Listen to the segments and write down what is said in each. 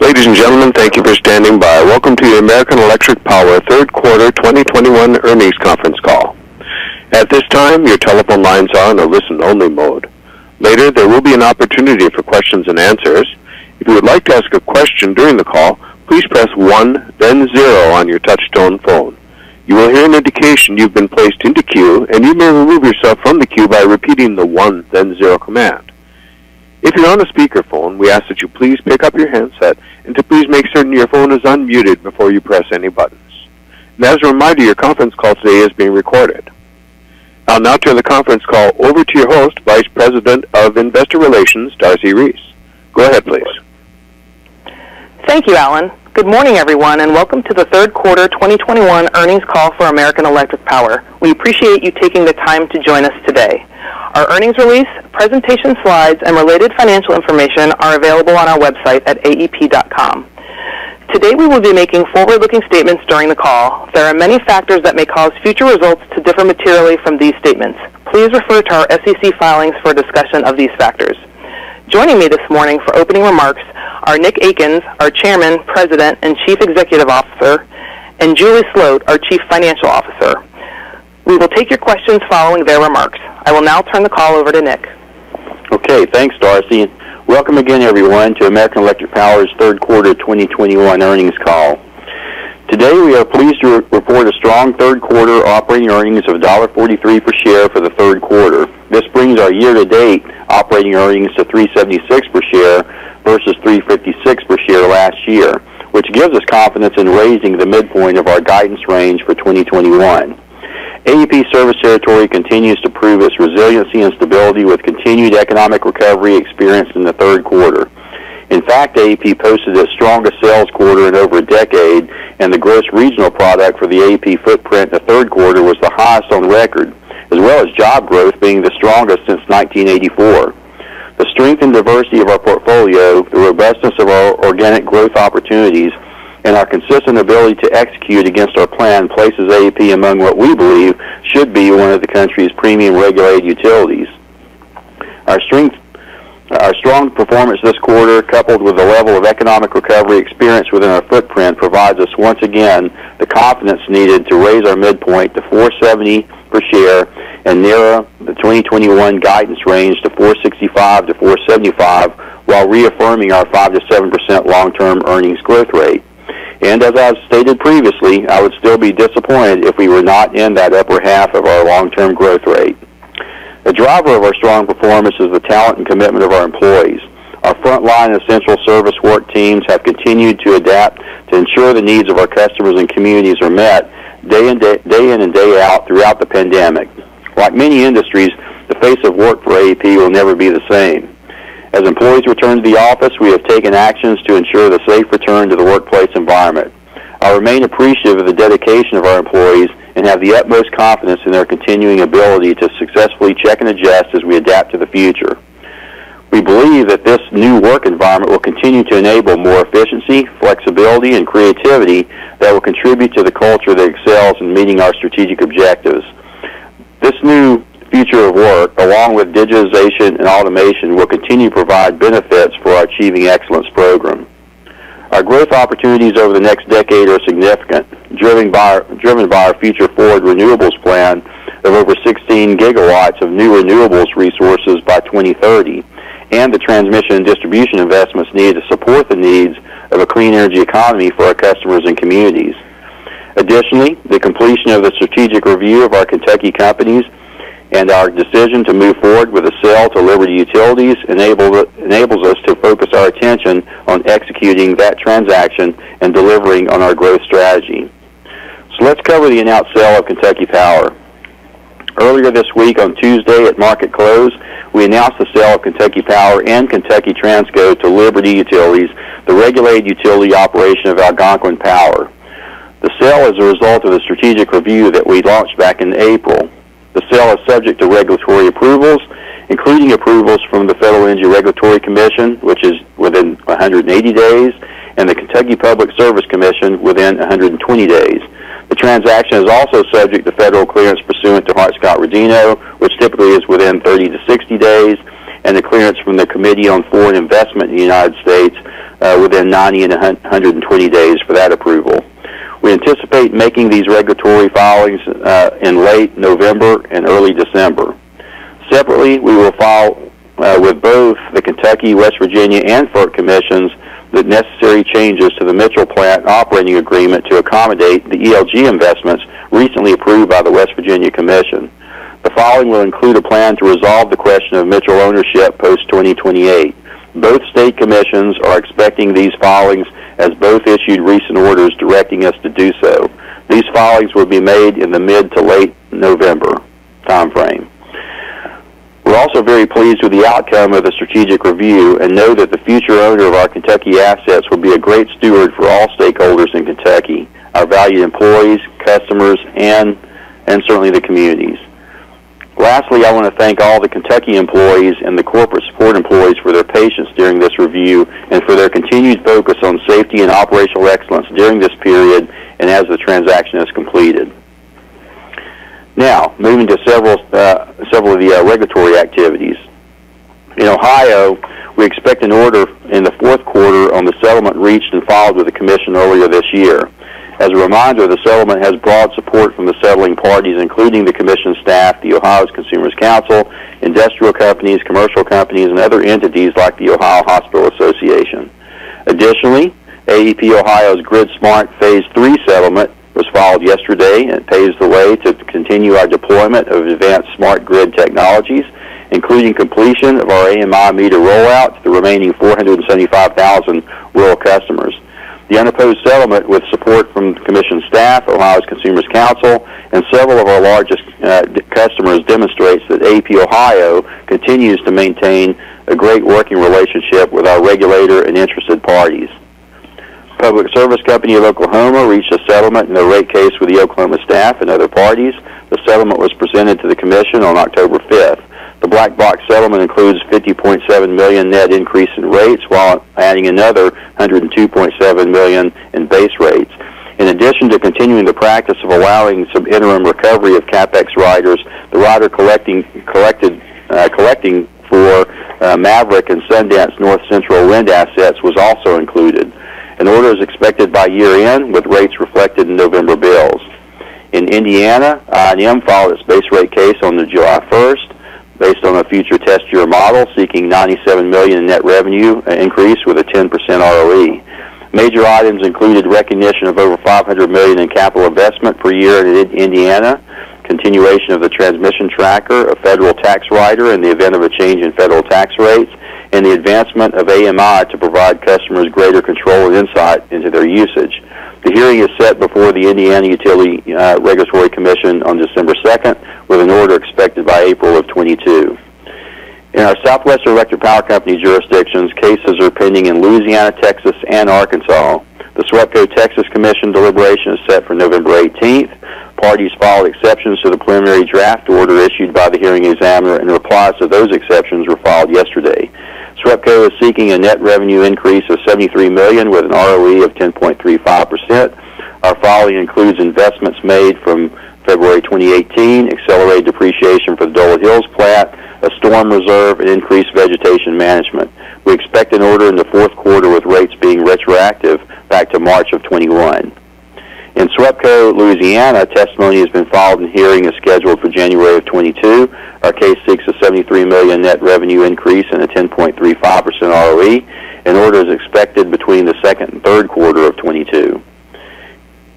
Ladies and gentlemen, thank you for standing by. Welcome to your American Electric Power Third Quarter 2021 earnings conference call. At this time, your telephone lines are in a listen-only mode. Later, there will be an opportunity for questions and answers. If you would like to ask a question during the call, please press one, then zero on your touchtone phone. You will hear an indication you've been placed into queue, and you may remove yourself from the queue by repeating the one, then zero command. If you're on a speakerphone, we ask that you please pick up your handset and to please make certain your phone is unmuted before you press any buttons. As a reminder, your conference call today is being recorded. I'll now turn the conference call over to your host, Vice President of Investor Relations, Darcy Reese. Go ahead, please. Thank you, Alan. Good morning, everyone, and welcome to the third quarter 2021 earnings call for American Electric Power. We appreciate you taking the time to join us today. Our earnings release, presentation slides, and related financial information are available on our website at aep.com. Today, we will be making forward-looking statements during the call. There are many factors that may cause future results to differ materially from these statements. Please refer to our SEC filings for a discussion of these factors. Joining me this morning for opening remarks are Nick Akins, our Chairman, President, and Chief Executive Officer, and Julie Sloat, our Chief Financial Officer. We will take your questions following their remarks. I will now turn the call over to Nick. Okay, thanks, Darcy. Welcome again, everyone, to American Electric Power's third quarter 2021 earnings call. Today, we are pleased to report a strong third quarter operating earnings of $1.43 per share for the third quarter. This brings our year-to-date operating earnings to $3.76 per share versus $3.56 per share last year, which gives us confidence in raising the midpoint of our guidance range for 2021. AEP service territory continues to prove its resiliency and stability with continued economic recovery experienced in the third quarter. In fact, AEP posted its strongest sales quarter in over a decade, and the gross regional product for the AEP footprint in the third quarter was the highest on record, as well as job growth being the strongest since 1984. The strength and diversity of our portfolio, the robustness of our organic growth opportunities, and our consistent ability to execute against our plan places AEP among what we believe should be one of the country's premium regulated utilities. Our strong performance this quarter, coupled with the level of economic recovery experienced within our footprint, provides us once again the confidence needed to raise our midpoint to $4.70 per share and narrow the 2021 guidance range to $4.65-$4.75 while reaffirming our 5%-7% long-term earnings growth rate. As I've stated previously, I would still be disappointed if we were not in that upper half of our long-term growth rate. The driver of our strong performance is the talent and commitment of our employees. Our frontline essential service work teams have continued to adapt to ensure the needs of our customers and communities are met day in and day out throughout the pandemic. Like many industries, the face of work for AEP will never be the same. As employees return to the office, we have taken actions to ensure the safe return to the workplace environment. I remain appreciative of the dedication of our employees and have the utmost confidence in their continuing ability to successfully check and adjust as we adapt to the future. We believe that this new work environment will continue to enable more efficiency, flexibility, and creativity that will contribute to the culture that excels in meeting our strategic objectives. This new future of work, along with digitization and automation, will continue to provide benefits for our Achieving Excellence program. Our growth opportunities over the next decade are significant, driven by our future forward renewables plan of over 16 gigawatts of new renewables resources by 2030, and the transmission and distribution investments needed to support the needs of a clean energy economy for our customers and communities. Additionally, the completion of the strategic review of our Kentucky companies and our decision to move forward with a sale to Liberty Utilities enables us to focus our attention on executing that transaction and delivering on our growth strategy. Let's cover the announced sale of Kentucky Power. Earlier this week, on Tuesday at market close, we announced the sale of Kentucky Power and Kentucky Transco to Liberty Utilities, the regulated utility operation of Algonquin Power. The sale is a result of the strategic review that we launched back in April. The sale is subject to regulatory approvals, including approvals from the Federal Energy Regulatory Commission, which is within 180 days, and the Kentucky Public Service Commission within 120 days. The transaction is also subject to federal clearance pursuant to Hart-Scott-Rodino, which typically is within 30-60 days, and the clearance from the Committee on Foreign Investment in the United States within 90-120 days for that approval. We anticipate making these regulatory filings in late November and early December. Separately, we will file with both the Kentucky, West Virginia, and FERC commissions the necessary changes to the Mitchell Plant operating agreement to accommodate the ELG investments recently approved by the West Virginia Commission. The following will include a plan to resolve the question of Mitchell ownership post-2028. Both state commissions are expecting these filings as both issued recent orders directing us to do so. These filings will be made in the mid to late November timeframe. We're also very pleased with the outcome of the strategic review and know that the future owner of our Kentucky assets will be a great steward for all stakeholders in Kentucky, our valued employees, customers, and certainly the communities. Lastly, I want to thank all the Kentucky employees and the corporate support employees for their patience during this review and for their continued focus on safety and operational excellence during this period and as the transaction is completed. Now, moving to several of the regulatory activities. In Ohio, we expect an order in the fourth quarter on the settlement reached and filed with the commission earlier this year. As a reminder, the settlement has broad support from the settling parties, including the commission staff, the Ohio Consumers' Counsel, industrial companies, commercial companies, and other entities like the Ohio Hospital Association. Additionally, AEP Ohio's gridSMART phase III settlement was filed yesterday, and it paves the way to continue our deployment of advanced smart grid technologies, including completion of our AMI meter rollout to the remaining 475,000 rural customers. The unopposed settlement, with support from the commission staff, Ohio Consumers' Counsel, and several of our largest customers demonstrates that AEP Ohio continues to maintain a great working relationship with our regulator and interested parties. Public Service Company of Oklahoma reached a settlement in the rate case with the Oklahoma staff and other parties. The settlement was presented to the commission on October 5th. The black box settlement includes $50.7 million net increase in rates, while adding another $102.7 million in base rates. In addition to continuing the practice of allowing some interim recovery of CapEx riders, the rider collecting for Maverick and Sundance North Central wind assets was also included. An order is expected by year-end, with rates reflected in November bills. In Indiana, I&M followed its base rate case on July 1st based on a future test year model, seeking $97 million in net revenue increase with a 10% ROE. Major items included recognition of over $500 million in capital investment per year in Indiana, continuation of the transmission tracker, a federal tax rider in the event of a change in federal tax rates, and the advancement of AMI to provide customers greater control and insight into their usage. The hearing is set before the Indiana Utility Regulatory Commission on December 2nd, with an order expected by April of 2022. In our Southwestern Electric Power Company jurisdictions, cases are pending in Louisiana, Texas, and Arkansas. The SWEPCO Texas Commission deliberation is set for November 18th. Parties filed exceptions to the preliminary draft order issued by the hearing examiner, and the replies to those exceptions were filed yesterday. SWEPCO is seeking a net revenue increase of $73 million with an ROE of 10.35%. Our filing includes investments made from February 2018, accelerated depreciation for the Dolet Hills plant, a storm reserve, and increased vegetation management. We expect an order in the fourth quarter, with rates being retroactive back to March 2021. In SWEPCO Louisiana, testimony has been filed, and hearing is scheduled for January 2022. Our case seeks a $73 million net revenue increase and a 10.35% ROE. An order is expected between the second and third quarter of 2022.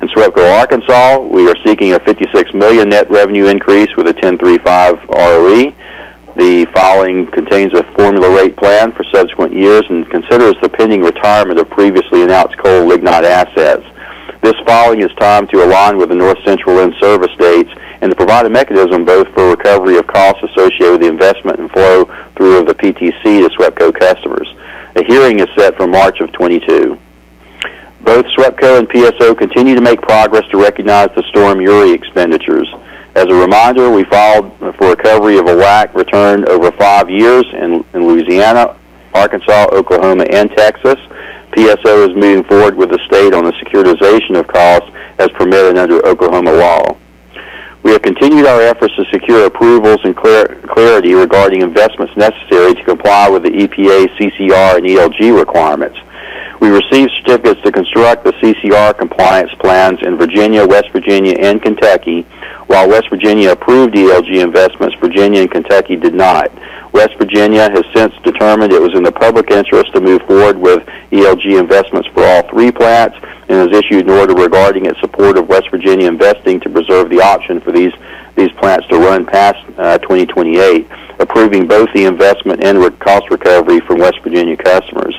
In SWEPCO Arkansas, we are seeking a $56 million net revenue increase with a 10.35 ROE. The filing contains a formula rate plan for subsequent years and considers the pending retirement of previously announced coal lignite assets. This filing is timed to align with the North Central in-service dates and to provide a mechanism both for recovery of costs associated with the investment and flow through of the PTC to SWEPCO customers. The hearing is set for March 2022. Both SWEPCO and PSO continue to make progress to recognize the Storm Uri expenditures. As a reminder, we filed for recovery of a WACC return over five years in Louisiana, Arkansas, Oklahoma, and Texas. PSO is moving forward with the state on the securitization of costs as permitted under Oklahoma law. We have continued our efforts to secure approvals and clarity regarding investments necessary to comply with the EPA, CCR and ELG requirements. We received certificates to construct the CCR compliance plans in Virginia, West Virginia, and Kentucky. While West Virginia approved ELG investments, Virginia and Kentucky did not. West Virginia has since determined it was in the public interest to move forward with ELG investments for all three plants and has issued an order regarding its support of West Virginia investing to preserve the option for these plants to run past 2028, approving both the investment and cost recovery from West Virginia customers.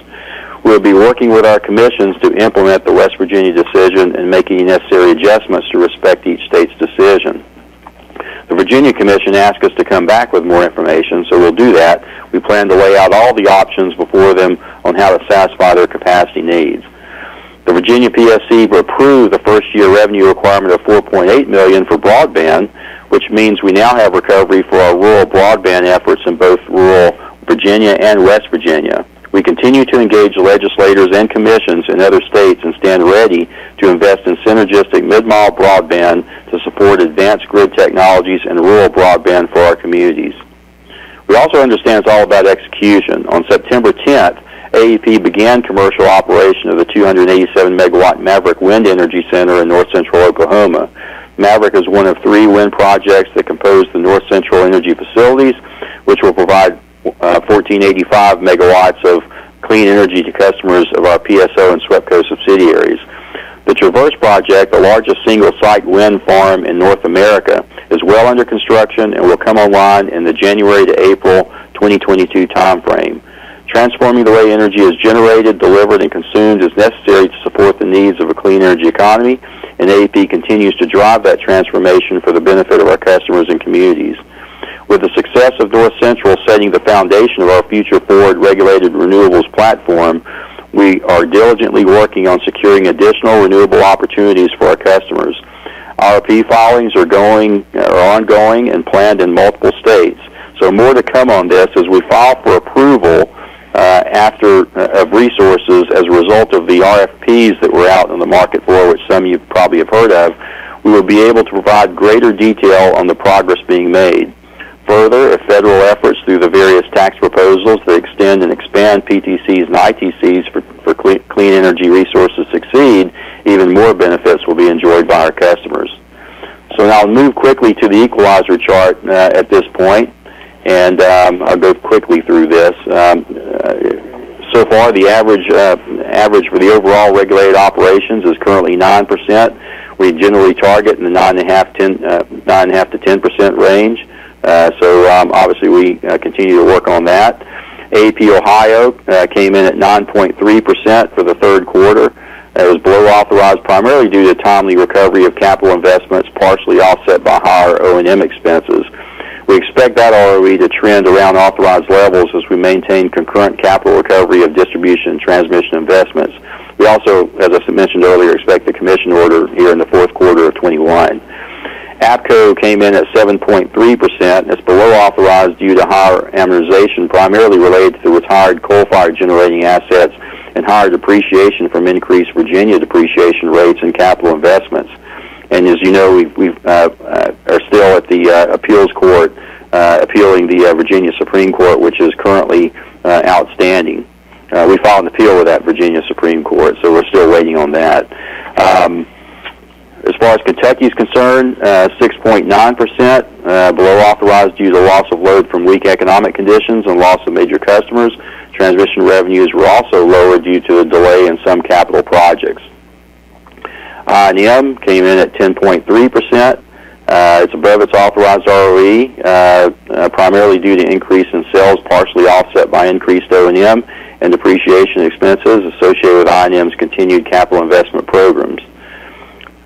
We'll be working with our commissions to implement the West Virginia decision and making necessary adjustments to respect each state's decision. The Virginia Commission asked us to come back with more information, so we'll do that. We plan to lay out all the options before them on how to satisfy their capacity needs. The Virginia SCC approved the first-year revenue requirement of $4.8 million for broadband, which means we now have recovery for our rural broadband efforts in both rural Virginia and West Virginia. We continue to engage legislators and commissions in other states and stand ready to invest in synergistic mid-mile broadband to support advanced grid technologies and rural broadband for our communities. We also understand it's all about execution. On September 10, AEP began commercial operation of the 287-MW Maverick Wind Energy Center in North Central Oklahoma. Maverick is one of three wind projects that compose the North Central Energy Facilities, which will provide 1,485 MW of clean energy to customers of our PSO and SWEPCO subsidiaries. The Traverse project, the largest single-site wind farm in North America, is well under construction and will come online in the January to April 2022 timeframe. Transforming the way energy is generated, delivered, and consumed is necessary to support the needs of a clean energy economy, and AEP continues to drive that transformation for the benefit of our customers and communities. With the success of North Central setting the foundation of our future forward regulated renewables platform, we are diligently working on securing additional renewable opportunities for our customers. RFP filings are ongoing and planned in multiple states, so more to come on this as we file for approval of resources as a result of the RFPs that were out in the market, for which some of you probably have heard of. We will be able to provide greater detail on the progress being made. Further, if federal efforts through the various tax proposals to extend and expand PTCs and ITCs for clean energy resources succeed, even more benefits will be enjoyed by our customers. I'll move quickly to the equalizer chart at this point, and I'll go quickly through this. So far, the average for the overall regulated operations is currently 9%. We generally target in the 9.5%-10% range. Obviously, we continue to work on that. AEP Ohio came in at 9.3% for the third quarter. It was below authorized primarily due to timely recovery of capital investments, partially offset by higher O&M expenses. We expect that ROE to trend around authorized levels as we maintain concurrent capital recovery of distribution and transmission investments. We also, as I mentioned earlier, expect the commission order here in the fourth quarter of 2021. APCO came in at 7.3%. It's below authorized due to higher amortization primarily related to retired coal-fired generating assets and higher depreciation from increased Virginia depreciation rates and capital investments. As you know, we are still at the appeals court appealing the Virginia Supreme Court, which is currently outstanding. We filed an appeal with that Virginia Supreme Court, so we're still waiting on that. As far as Kentucky is concerned, 6.9% below authorized due to loss of load from weak economic conditions and loss of major customers. Transmission revenues were also lower due to a delay in some capital projects. I&M came in at 10.3%. It's above its authorized ROE, primarily due to increase in sales, partially offset by increased O&M and depreciation expenses associated with I&M's continued capital investment programs.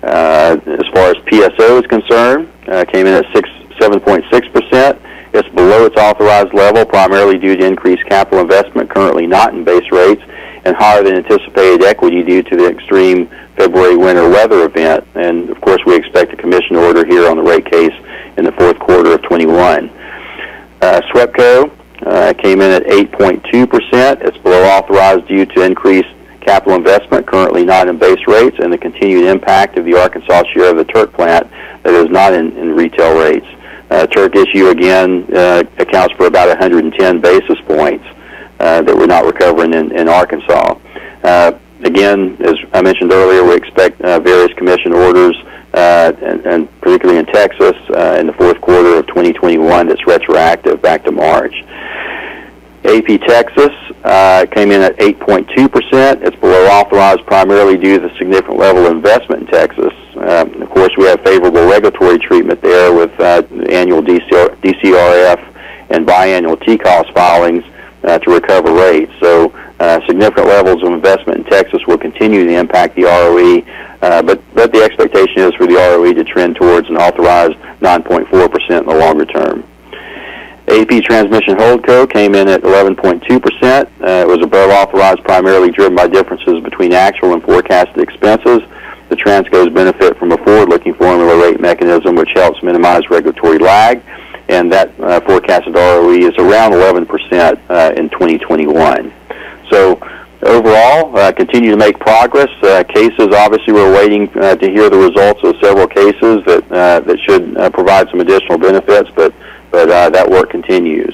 As far as PSO is concerned, came in at 7.6%. It's below its authorized level, primarily due to increased capital investment currently not in base rates and higher than anticipated equity due to the extreme February winter weather event. Of course, we expect a commission order here on the rate case in the fourth quarter of 2021. SWEPCO came in at 8.2%. It's below authorized due to increased capital investment currently not in base rates and the continued impact of the Arkansas share of the Turk plant that is not in retail rates. Turk issue again accounts for about 110 basis points that we're not recovering in Arkansas. Again, as I mentioned earlier, we expect various commission orders, and particularly in Texas in the fourth quarter of 2021 that's retroactive back to March. AEP Texas came in at 8.2%. It's below authorized primarily due to the significant level of investment in Texas. Of course, we have favorable regulatory treatment there with annual DCRF and biannual TCOS filings to recover rates. Significant levels of investment in Texas will continue to impact the ROE, but the expectation is for the ROE to trend towards an authorized 9.4% in the longer term. AEP Transmission Holdco came in at 11.2%. It was above authorized primarily driven by differences between actual and forecasted expenses. The Transco's benefit from a forward-looking formula rate mechanism, which helps minimize regulatory lag, and that forecasted ROE is around 11% in 2021. Overall, continue to make progress. Cases, obviously, we're waiting to hear the results of several cases that should provide some additional benefits, but that work continues.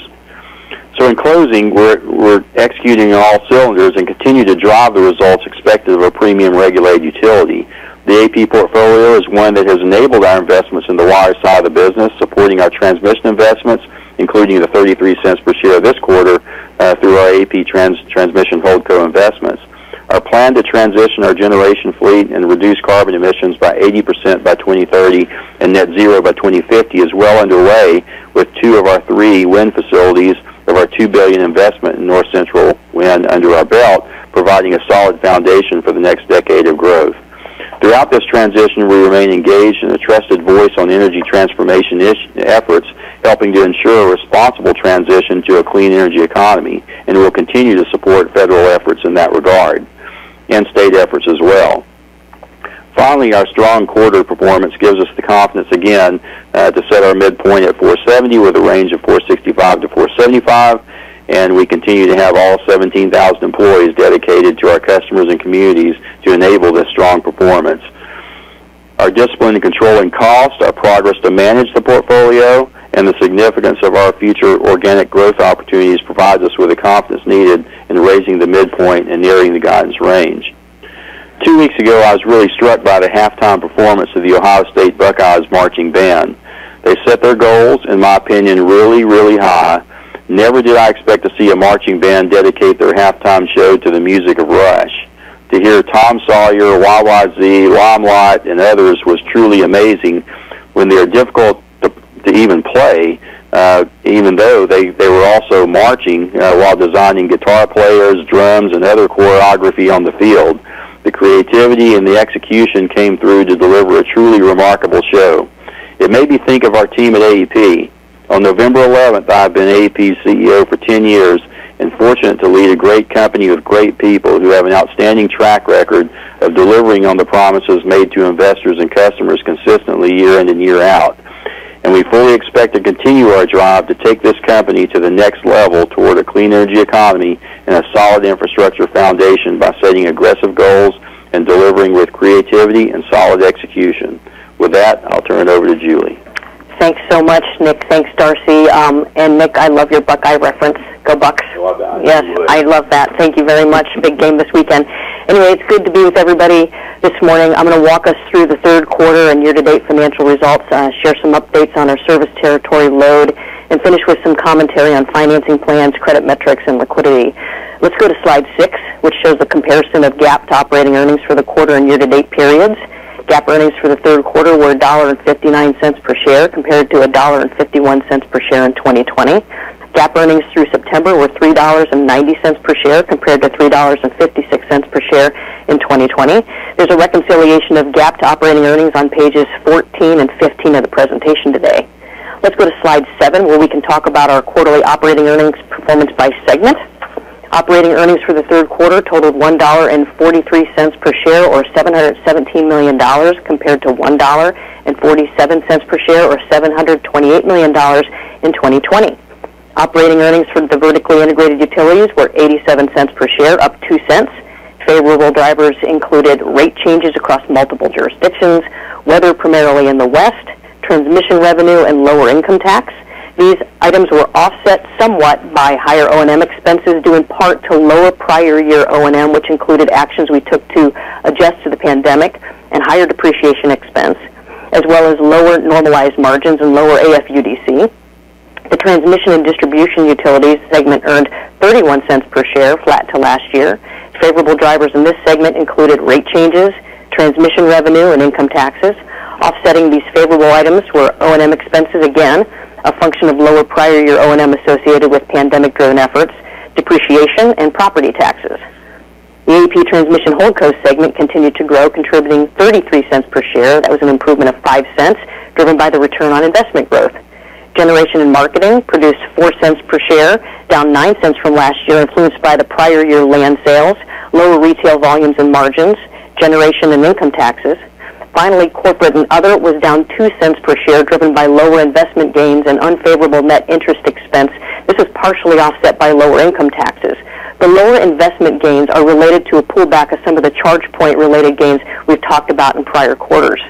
In closing, we're executing on all cylinders and continue to drive the results expected of a premium regulated utility. The AEP portfolio is one that has enabled our investments in the wire side of the business, supporting our transmission investments, including the $0.33 per share this quarter through our AEP Transmission Holdco investments. Our plan to transition our generation fleet and reduce carbon emissions by 80% by 2030 and net zero by 2050 is well underway with two of our three wind facilities of our $2 billion investment in North Central Wind under our belt, providing a solid foundation for the next decade of growth. Throughout this transition, we remain engaged and a trusted voice on energy transformation efforts, helping to ensure a responsible transition to a clean energy economy, and we'll continue to support federal efforts in that regard and state efforts as well. Finally, our strong quarter performance gives us the confidence again to set our midpoint at $4.70 with a range of $4.65-$4.75, and we continue to have all 17,000 employees dedicated to our customers and communities to enable this strong performance. Our discipline in controlling costs, our progress to manage the portfolio, and the significance of our future organic growth opportunities provides us with the confidence needed in raising the midpoint and narrowing the guidance range. Two weeks ago, I was really struck by the halftime performance of the Ohio State Buckeyes marching band. They set their goals, in my opinion, really, really high. Never did I expect to see a marching band dedicate their halftime show to the music of Rush. To hear Tom Sawyer, YYZ, Limelight, and others was truly amazing when they are difficult to even play, even though they were also marching while designing guitar players, drums, and other choreography on the field. The creativity and the execution came through to deliver a truly remarkable show. It made me think of our team at AEP. On November 11th, I've been AEP's CEO for ten years and fortunate to lead a great company of great people who have an outstanding track record of delivering on the promises made to investors and customers consistently year in and year out. We fully expect to continue our drive to take this company to the next level toward a clean energy economy and a solid infrastructure foundation by setting aggressive goals and delivering with creativity and solid execution. With that, I'll turn it over to Julie. Thanks so much, Nick. Thanks, Darcy. Nick, I love your Buckeye reference. Go Bucks. You're welcome. Yes, I love that. Thank you very much. Big game this weekend. Anyway, it's good to be with everybody this morning. I'm going to walk us through the third quarter and year-to-date financial results, share some updates on our service territory load, and finish with some commentary on financing plans, credit metrics, and liquidity. Let's go to slide six, which shows a comparison of GAAP to operating earnings for the quarter and year-to-date periods. GAAP earnings for the third quarter were $1.59 per share compared to $1.51 per share in 2020. GAAP earnings through September were $3.90 per share compared to $3.56 per share in 2020. There's a reconciliation of GAAP to operating earnings on pages 14 and 15 of the presentation today. Let's go to slide seven, where we can talk about our quarterly operating earnings performance by segment. Operating earnings for the third quarter totaled $1.43 per share, or $717 million, compared to $1.47 per share, or $728 million in 2020. Operating earnings from the vertically integrated utilities were $0.87 cents per share, up $0.02 cents. Favorable drivers included rate changes across multiple jurisdictions, weather primarily in the West, transmission revenue, and lower income tax. These items were offset somewhat by higher O&M expenses, due in part to lower prior-year O&M, which included actions we took to adjust to the pandemic and higher depreciation expense, as well as lower normalized margins and lower AFUDC. The transmission and distribution utilities segment earned $0.31 cents per share, flat to last year. Favorable drivers in this segment included rate changes, transmission revenue, and income taxes. Offsetting these favorable items were O&M expenses, again, a function of lower prior-year O&M associated with pandemic-driven efforts, depreciation, and property taxes. The AEP Transmission Holdco segment continued to grow, contributing $0.33 per share. That was an improvement of $0.05, driven by the return on investment growth. Generation and marketing produced $0.04 per share, down $0.09 from last year, influenced by the prior-year land sales, lower retail volumes and margins, generation and income taxes. Finally, Corporate and Other was down $0.02 per share, driven by lower investment gains and unfavorable net interest expense. This was partially offset by lower income taxes. The lower investment gains are related to a pullback of some of the ChargePoint-related gains we've talked about in prior quarters.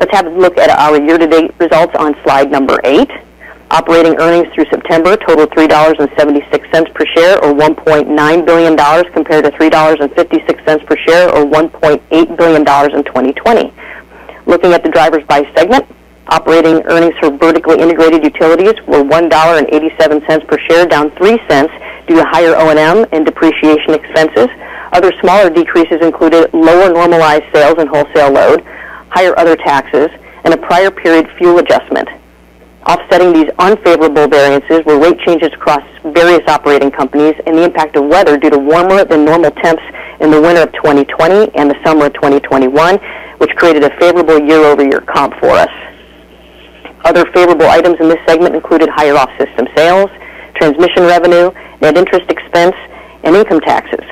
Let's have a look at our year-to-date results on slide eight. Operating earnings through September totaled $3.76 per share, or $1.9 billion, compared to $3.56 per share, or $1.8 billion in 2020. Looking at the drivers by segment, operating earnings for vertically integrated utilities were $1.87 per share, down $0.03 due to higher O&M and depreciation expenses. Other smaller decreases included lower normalized sales and wholesale load, higher other taxes, and a prior-period fuel adjustment. Offsetting these unfavorable variances were rate changes across various operating companies and the impact of weather due to warmer-than-normal temps in the winter of 2020 and the summer of 2021, which created a favorable year-over-year comp for us. Other favorable items in this segment included higher off-system sales, transmission revenue, net interest expense, and income taxes.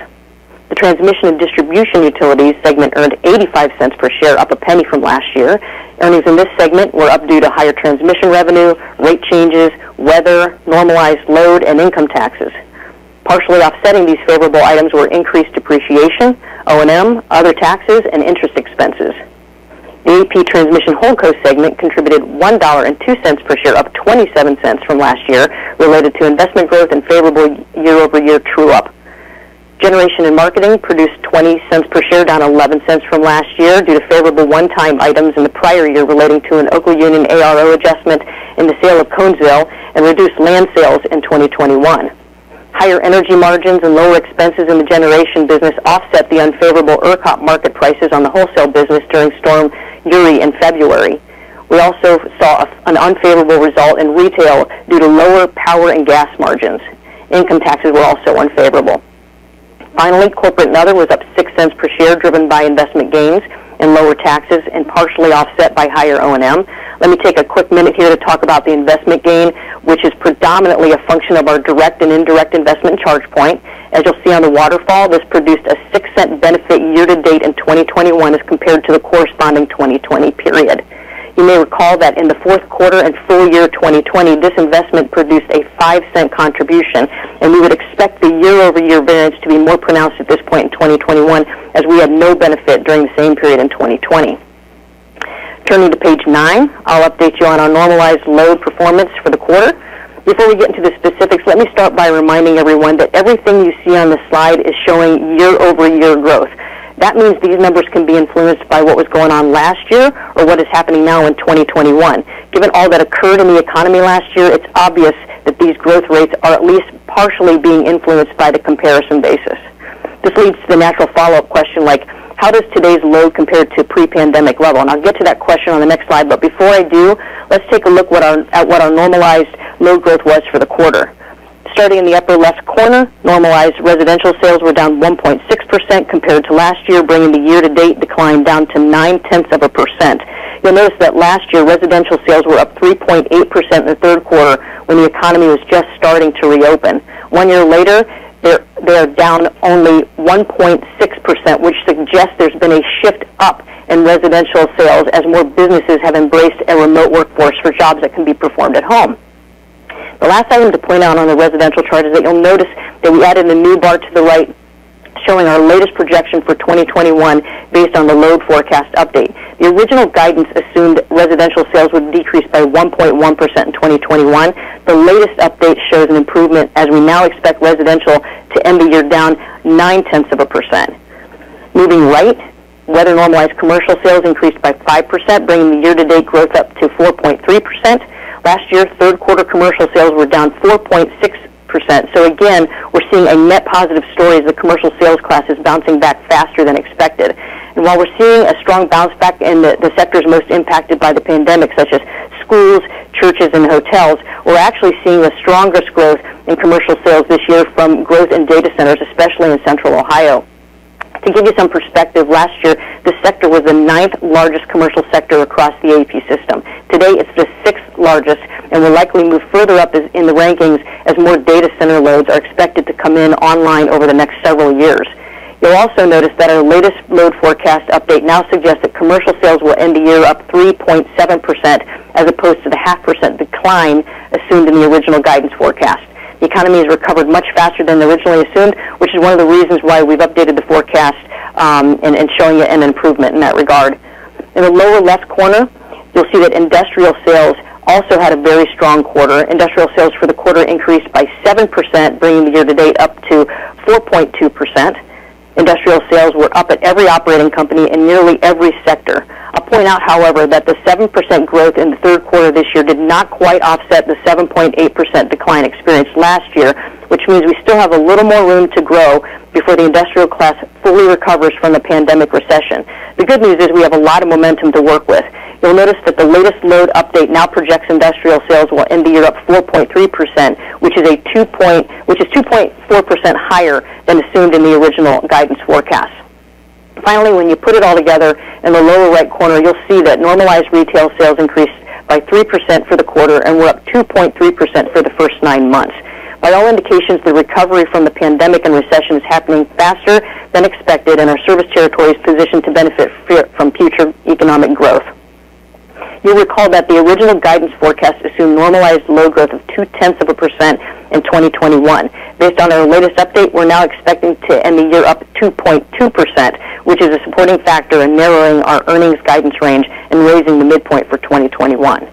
The transmission and distribution utilities segment earned $0.85 per share, up $0.01 from last year. Earnings in this segment were up due to higher transmission revenue, rate changes, weather, normalized load, and income taxes. Partially offsetting these favorable items were increased depreciation, O&M, other taxes, and interest expenses. The AEP Transmission Holdco segment contributed $1.02 per share, up $0.27 from last year, related to investment growth and favorable year-over-year true-up. Generation and marketing produced $0.20 per share, down $0.11 from last year due to favorable one-time items in the prior year relating to an Oklaunion ARO adjustment in the sale of Conesville and reduced land sales in 2021. Higher energy margins and lower expenses in the generation business offset the unfavorable ERCOT market prices on the wholesale business during Storm Uri in February. We also saw an unfavorable result in retail due to lower power and gas margins. Income taxes were also unfavorable. Finally, corporate and other was up $0.06 per share, driven by investment gains and lower taxes, and partially offset by higher O&M. Let me take a quick minute here to talk about the investment gain, which is predominantly a function of our direct and indirect investment in ChargePoint. As you'll see on the waterfall, this produced a $0.06 benefit year-to-date in 2021 as compared to the corresponding 2020 period. You may recall that in the fourth quarter and full year 2020, this investment produced a $0.05 contribution, and we would expect the year-over-year variance to be more pronounced at this point in 2021, as we had no benefit during the same period in 2020. Turning to page nine, I'll update you on our normalized load performance for the quarter. Before we get into the specifics, let me start by reminding everyone that everything you see on this slide is showing year-over-year growth. That means these numbers can be influenced by what was going on last year or what is happening now in 2021. Given all that occurred in the economy last year, it's obvious that these growth rates are at least partially being influenced by the comparison basis. This leads to the natural follow-up question like, how does today's load compare to pre-pandemic level? I'll get to that question on the next slide. Before I do, let's take a look at what our normalized load growth was for the quarter. Starting in the upper left corner, normalized residential sales were down 1.6% compared to last year, bringing the year-to-date decline down to 0.9%. You'll notice that last year, residential sales were up 3.8% in the third quarter when the economy was just starting to reopen. One year later, they are down only 1.6%, which suggests there's been a shift up in residential sales as more businesses have embraced a remote workforce for jobs that can be performed at home. The last item to point out on the residential chart is that you'll notice that we added a new bar to the right showing our latest projection for 2021 based on the load forecast update. The original guidance assumed residential sales would decrease by 1.1% in 2021. The latest update shows an improvement as we now expect residential to end the year down 0.9%. Moving right, weather-normalized commercial sales increased by 5%, bringing the year-to-date growth up to 4.3%. Last year, third quarter commercial sales were down 4.6%. Again, we're seeing a net positive story as the commercial sales class is bouncing back faster than expected. While we're seeing a strong bounce back in the sectors most impacted by the pandemic, such as schools, churches, and hotels, we're actually seeing the strongest growth in commercial sales this year from growth in data centers, especially in Central Ohio. To give you some perspective, last year, this sector was the ninth-largest commercial sector across the AEP system. Today, it's the sixth-largest and will likely move further up in the rankings as more data center loads are expected to come in online over the next several years. You'll also notice that our latest load forecast update now suggests that commercial sales will end the year up 3.7% as opposed to the 0.5% decline assumed in the original guidance forecast. The economy has recovered much faster than originally assumed, which is one of the reasons why we've updated the forecast and showing you an improvement in that regard. In the lower left corner, you'll see that industrial sales also had a very strong quarter. Industrial sales for the quarter increased by 7%, bringing the year-to-date up to 4.2%. Industrial sales were up at every operating company in nearly every sector. I'll point out, however, that the 7% growth in the third quarter this year did not quite offset the 7.8% decline experienced last year, which means we still have a little more room to grow before the industrial class fully recovers from the pandemic recession. The good news is we have a lot of momentum to work with. You'll notice that the latest load update now projects industrial sales will end the year up 4.3%, which is 2.4% higher than assumed in the original guidance forecast. Finally, when you put it all together in the lower right corner, you'll see that normalized retail sales increased by 3% for the quarter, and we're up 2.3% for the first nine months. By all indications, the recovery from the pandemic and recession is happening faster than expected, and our service territory is positioned to benefit from future economic growth. You'll recall that the original guidance forecast assumed normalized load growth of 0.2% in 2021. Based on our latest update, we're now expecting to end the year up 2.2%, which is a supporting factor in narrowing our earnings guidance range and raising the midpoint for 2021.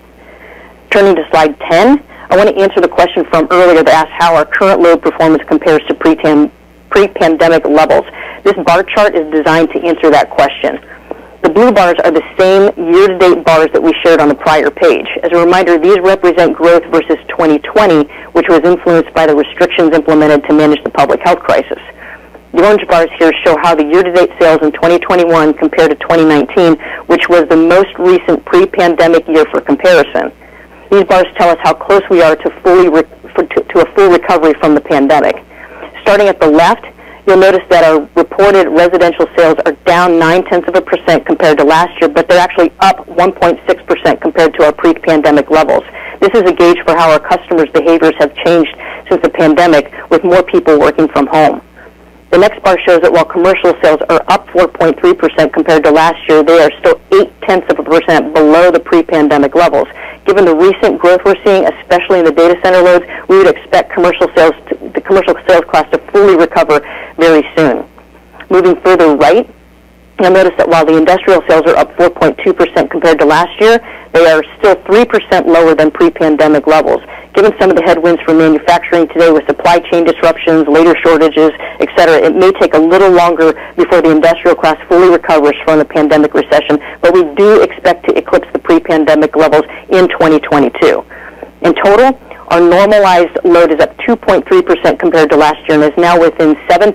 Turning to slide 10, I want to answer the question from earlier that asked how our current load performance compares to pre-pandemic levels. This bar chart is designed to answer that question. The blue bars are the same year-to-date bars that we shared on the prior page. As a reminder, these represent growth versus 2020, which was influenced by the restrictions implemented to manage the public health crisis. The orange bars here show how the year-to-date sales in 2021 compare to 2019, which was the most recent pre-pandemic year for comparison. These bars tell us how close we are to a full recovery from the pandemic. Starting at the left, you'll notice that our reported residential sales are down 0.9% compared to last year, but they're actually up 1.6% compared to our pre-pandemic levels. This is a gauge for how our customers' behaviors have changed since the pandemic, with more people working from home. The next bar shows that while commercial sales are up 4.3% compared to last year, they are still 0.8% below the pre-pandemic levels. Given the recent growth we're seeing, especially in the data center loads, we would expect the commercial sales class to fully recover very soon. Moving further right, you'll notice that while the industrial sales are up 4.2% compared to last year, they are still 3% lower than pre-pandemic levels. Given some of the headwinds for manufacturing today with supply chain disruptions, labor shortages, et cetera, it may take a little longer before the industrial class fully recovers from the pandemic recession, but we do expect to eclipse the pre-pandemic levels in 2022. In total, our normalized load is up 2.3% compared to last year and is now within 0.7%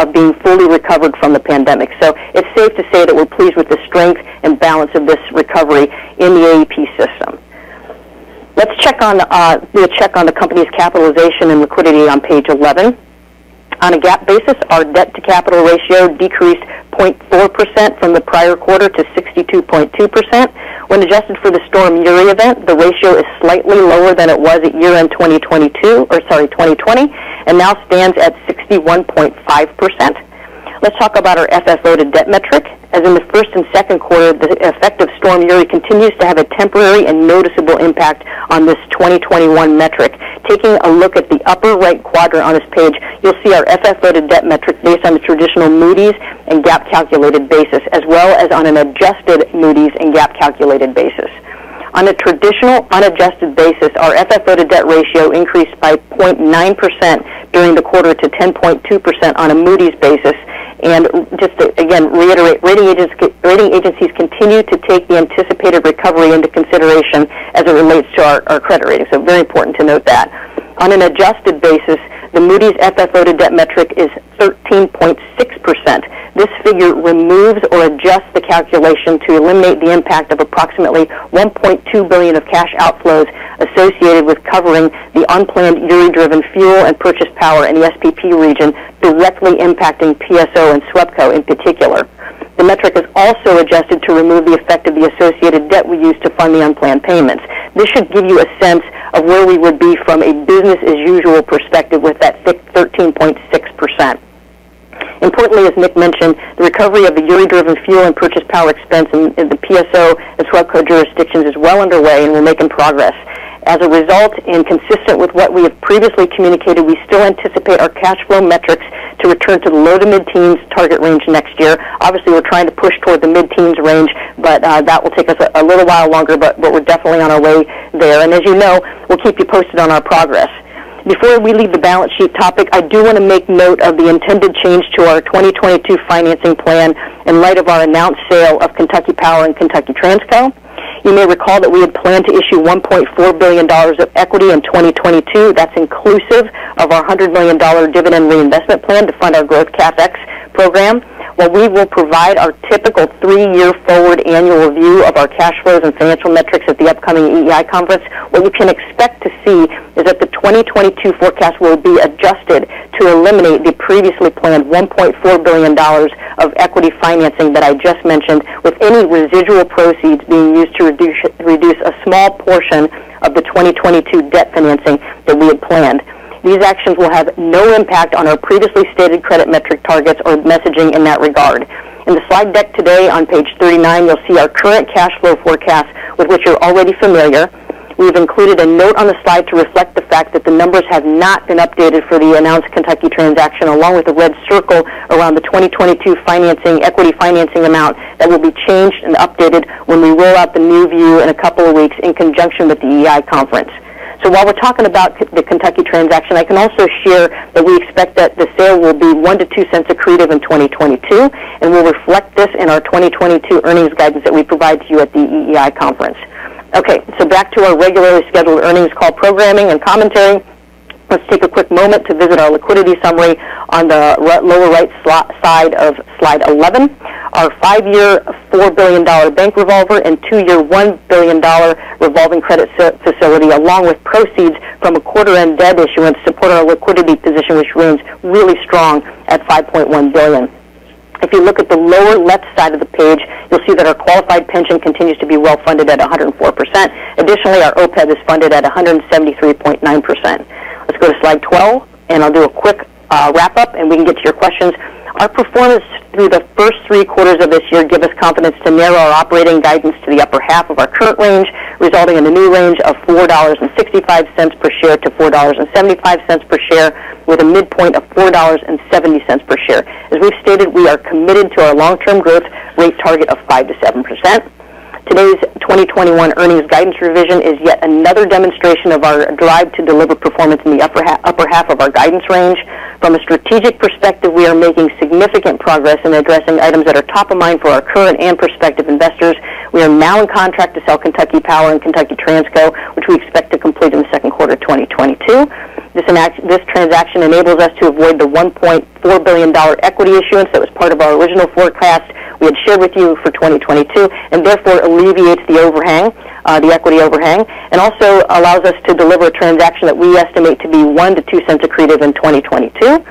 of being fully recovered from the pandemic. It's safe to say that we're pleased with the strength and balance of this recovery in the AEP system. We'll check on the company's capitalization and liquidity on page 11. On a GAAP basis, our debt-to-capital ratio decreased 0.4% from the prior quarter to 62.2%. When adjusted for the Storm Uri event, the ratio is slightly lower than it was at year-end 2020, and now stands at 61.5%. Let's talk about our FFO-to-debt metric. As in the first and second quarter, the effect of Storm Uri continues to have a temporary and noticeable impact on this 2021 metric. Taking a look at the upper right quadrant on this page, you'll see our FFO-to-debt metric based on the traditional Moody's and GAAP-calculated basis, as well as on an adjusted Moody's and GAAP-calculated basis. On a traditional unadjusted basis, our FFO-to-debt ratio increased by 0.9% during the quarter to 10.2% on a Moody's basis. Just to again reiterate, rating agencies continue to take the anticipated recovery into consideration as it relates to our credit rating. Very important to note that. On an adjusted basis, the Moody's FFO-to-debt metric is 13.6%. This figure removes or adjusts the calculation to eliminate the impact of approximately $1.2 billion of cash outflows associated with covering the unplanned Uri-driven fuel and purchase power in the SPP region, directly impacting PSO and SWEPCO in particular. The metric is also adjusted to remove the effect of the associated debt we used to fund the unplanned payments. This should give you a sense of where we would be from a business-as-usual perspective with that 13.6%. Importantly, as Nick mentioned, the recovery of the Uri-driven fuel and purchased power expense in the PSO as well as co-jurisdictions is well underway, and we're making progress. As a result, and consistent with what we have previously communicated, we still anticipate our cash flow metrics to return to the low- to mid-teens target range next year. Obviously, we're trying to push toward the mid-teens range, but that will take us a little while longer. We're definitely on our way there. As you know, we'll keep you posted on our progress. Before we leave the balance sheet topic, I do want to make note of the intended change to our 2022 financing plan in light of our announced sale of Kentucky Power and Kentucky Transco. You may recall that we had planned to issue $1.4 billion of equity in 2022. That's inclusive of our $100 million dividend reinvestment plan to fund our growth CapEx program. While we will provide our typical 3-year forward annual review of our cash flows and financial metrics at the upcoming EEI conference, what you can expect to see is that the 2022 forecast will be adjusted to eliminate the previously planned $1.4 billion of equity financing that I just mentioned, with any residual proceeds being used to reduce a small portion of the 2022 debt financing that we had planned. These actions will have no impact on our previously stated credit metric targets or messaging in that regard. In the slide deck today, on page 39, you'll see our current cash flow forecast with which you're already familiar. We've included a note on the slide to reflect the fact that the numbers have not been updated for the announced Kentucky transaction, along with the red circle around the 2022 financing, equity financing amount that will be changed and updated when we roll out the new view in a couple of weeks in conjunction with the EEI conference. While we're talking about the Kentucky transaction, I can also share that we expect that the sale will be $0.01-$0.02 accretive in 2022, and we'll reflect this in our 2022 earnings guidance that we provide to you at the EEI conference. Okay, back to our regularly scheduled earnings call programming and commentary. Let's take a quick moment to visit our liquidity summary on the lower right side of slide 11. Our five-year, $4 billion bank revolver and two-year, $1 billion revolving credit facility, along with proceeds from a quarter-end debt issuance, support our liquidity position, which runs really strong at $5.1 billion. If you look at the lower left side of the page, you'll see that our qualified pension continues to be well-funded at 104%. Additionally, our OPEB is funded at 173.9%. Let's go to slide 12, and I'll do a quick wrap-up, and we can get to your questions. Our performance through the first three quarters of this year give us confidence to narrow our operating guidance to the upper half of our current range, resulting in a new range of $4.65 per share-$4.75 per share, with a midpoint of $4.70 per share. As we've stated, we are committed to our long-term growth rate target of 5%-7%. Today's 2021 earnings guidance revision is yet another demonstration of our drive to deliver performance in the upper half of our guidance range. From a strategic perspective, we are making significant progress in addressing items that are top of mind for our current and prospective investors. We are now in contract to sell Kentucky Power and Kentucky Transco, which we expect to complete in the second quarter of 2022. This transaction enables us to avoid the $1.4 billion equity issuance that was part of our original forecast we had shared with you for 2022, and therefore alleviates the overhang, the equity overhang, and also allows us to deliver a transaction that we estimate to be $0.01-$0.02 accretive in 2022.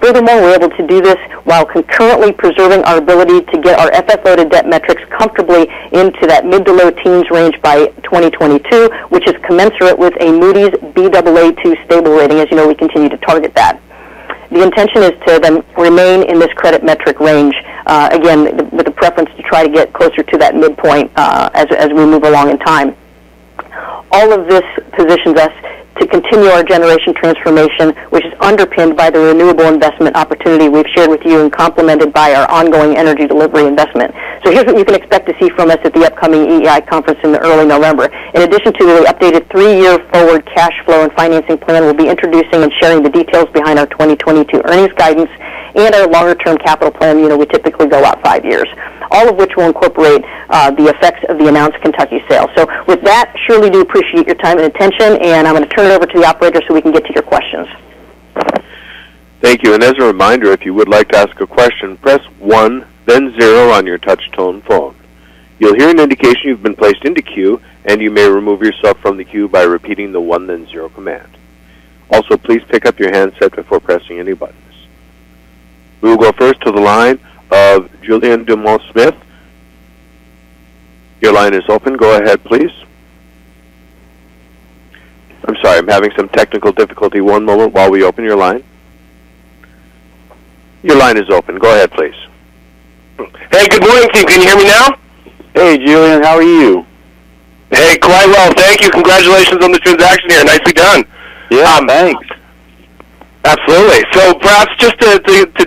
Furthermore, we're able to do this while concurrently preserving our ability to get our FFO-to-debt metrics comfortably into that mid- to low-teens range by 2022, which is commensurate with a Moody's Baa2 stable rating. As you know, we continue to target that. The intention is to then remain in this credit metric range, again, with a preference to try to get closer to that midpoint, as we move along in time. All of this positions us to continue our generation transformation, which is underpinned by the renewable investment opportunity we've shared with you and complemented by our ongoing energy delivery investment. Here's what you can expect to see from us at the upcoming EEI conference in early November. In addition to the updated three-year forward cash flow and financing plan, we'll be introducing and sharing the details behind our 2022 earnings guidance and our longer-term capital plan. Usually, we typically go out five years. All of which will incorporate the effects of the announced Kentucky sale. With that, sure we do appreciate your time and attention, and I'm going to turn it over to the operator so we can get to your questions. Thank you. As a reminder, if you would like to ask a question, press one, then zero on your touch tone phone. You'll hear an indication you've been placed into queue, and you may remove yourself from the queue by repeating the one, then zero command. Also, please pick up your handset before pressing any buttons. We will go first to the line of Julien Dumoulin-Smith. Your line is open. Go ahead, please. I'm sorry. I'm having some technical difficulty. One moment while we open your line. Your line is open. Go ahead, please. Hey, good morning, Akins. Can you hear me now? Hey, Julien. How are you? Hey, quite well. Thank you. Congratulations on the transaction here. Nicely done. Yeah. Thanks. Absolutely. Perhaps just to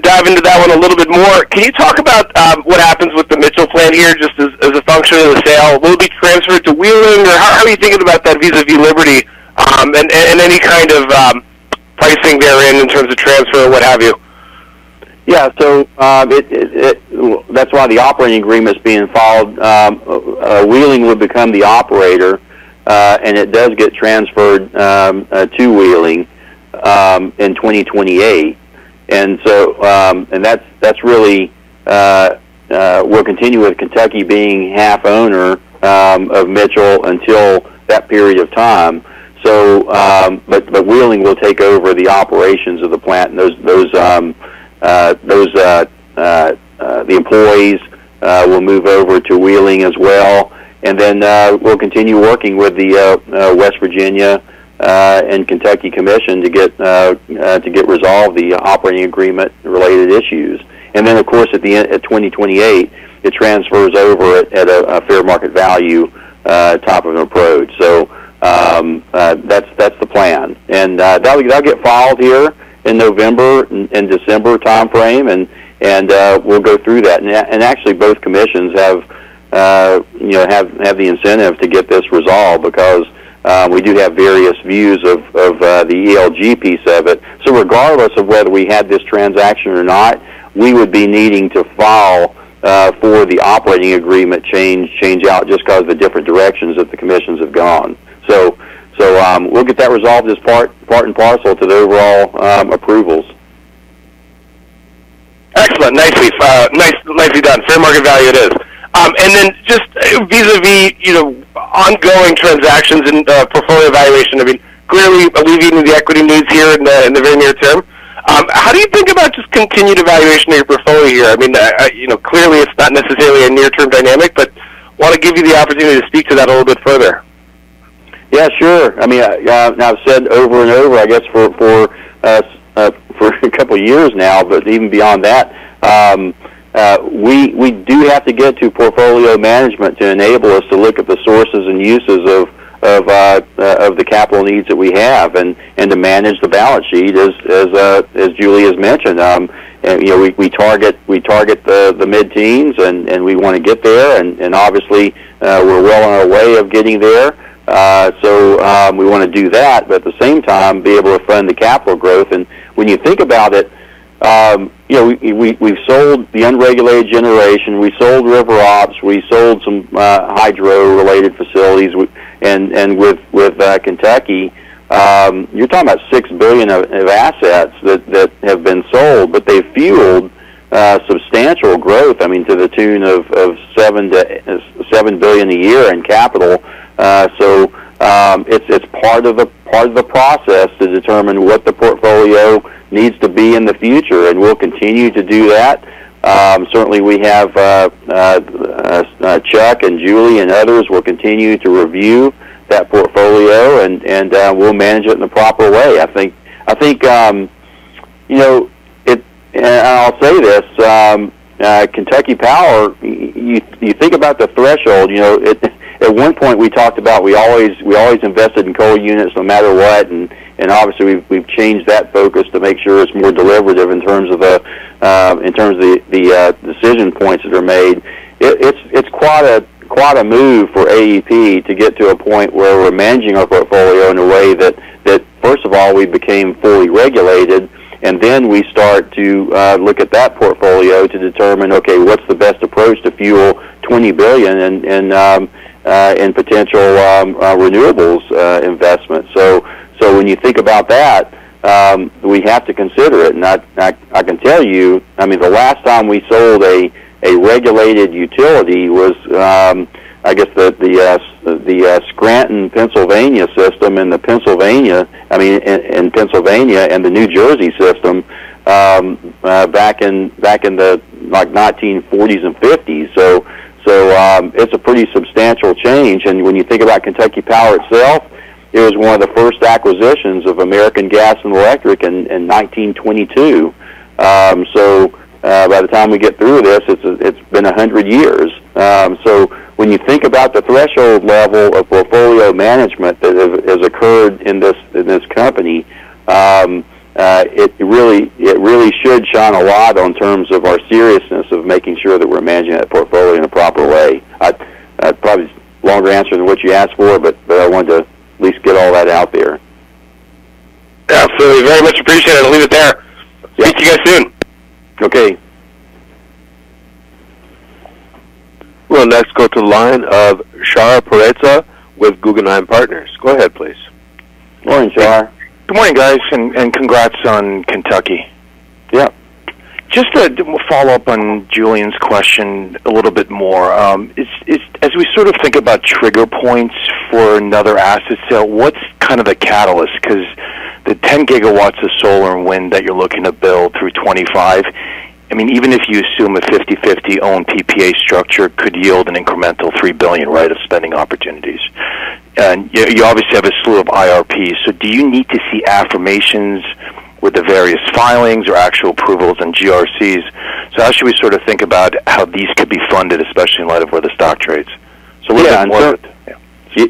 dive into that one a little bit more, can you talk about what happens with the Mitchell Plant here just as a function of the sale? Will it be transferred to Wheeling? Or how are you thinking about that vis-à-vis Liberty, and any kind of pricing therein in terms of transfer or what have you? That's why the operating agreement is being filed. Wheeling would become the operator, and it does get transferred to Wheeling in 2028. We'll continue with Kentucky being half owner of Mitchell until that period of time. Wheeling will take over the operations of the plant, and the employees will move over to Wheeling as well. We'll continue working with the West Virginia and Kentucky commissions to get resolved the operating agreement-related issues. Of course, at the end, in 2028, it transfers over at a fair market value type of approach. That's the plan. That'll get filed here in November and December timeframe, and we'll go through that. Actually both commissions have you know the incentive to get this resolved because we do have various views of the ELG piece of it. Regardless of whether we had this transaction or not, we would be needing to file for the operating agreement change out just because of the different directions that the commissions have gone. We'll get that resolved as part and parcel to the overall approvals. Excellent. Nicely done. Fair market value it is. Just vis-à-vis, you know, ongoing transactions and portfolio evaluation. I mean, clearly alleviating the equity needs here in the very near term. How do you think about just continued evaluation of your portfolio here? I mean, you know, clearly it's not necessarily a near-term dynamic, but I want to give you the opportunity to speak to that a little bit further. Yeah, sure. I mean, I've said over and over, I guess, for a couple of years now, but even beyond that, we do have to get to portfolio management to enable us to look at the sources and uses of the capital needs that we have and to manage the balance sheet as Julie has mentioned. You know, we target the mid-teens and we wanna get there. Obviously, we're well on our way of getting there. We wanna do that, but at the same time, be able to fund the capital growth. When you think about it, you know, we've sold the unregulated generation, we sold river ops, we sold some hydro-related facilities with... With Kentucky, you're talking about $6 billion of assets that have been sold, but they fueled substantial growth, I mean, to the tune of $7 billion a year in capital. It's part of the process to determine what the portfolio needs to be in the future, and we'll continue to do that. Certainly we have Chuck and Julie and others will continue to review that portfolio, and we'll manage it in the proper way. I think you know it. I'll say this, Kentucky Power, you think about the threshold, you know, it at one point, we talked about we always invested in coal units no matter what. Obviously, we've changed that focus to make sure it's more deliberative in terms of the decision points that are made. It's quite a move for AEP to get to a point where we're managing our portfolio in a way that first of all, we became fully regulated, and then we start to look at that portfolio to determine, okay, what's the best approach to fuel $20 billion in potential renewables investment? When you think about that, we have to consider it. I can tell you, I mean, the last time we sold a regulated utility was, I guess, the Scranton, Pennsylvania system in Pennsylvania, I mean, and the New Jersey system back in, like, the 1940s and 1950s. It's a pretty substantial change. When you think about Kentucky Power itself, it was one of the first acquisitions of American Gas and Electric in 1922. By the time we get through this, it's been 100 years. When you think about the threshold level of portfolio management that has occurred in this company, it really should shine a lot in terms of our seriousness of making sure that we're managing that portfolio in a proper way. I'd probably a longer answer than what you asked for, but I wanted to at least get all that out there. Absolutely. Very much appreciated. I'll leave it there. Yeah. Speak to you guys soon. Okay. We'll next go to the line of Shahriar Pourreza with Guggenheim Securities. Go ahead, please. Morning, Shar. Good morning, guys, and congrats on Kentucky. Yeah. Just to follow up on Julien's question a little bit more. Is as we sort of think about trigger points for another asset sale, what's kind of the catalyst? Because the 10 GW of solar and wind that you're looking to build through 2025, I mean, even if you assume a 50/50 own PPA structure could yield an incremental $3 billion, right, of spending opportunities. You obviously have a slew of IRPs. Do you need to see affirmations with the various filings or actual approvals and GRCs? How should we sort of think about how these could be funded, especially in light of where the stock trades? What's the answer?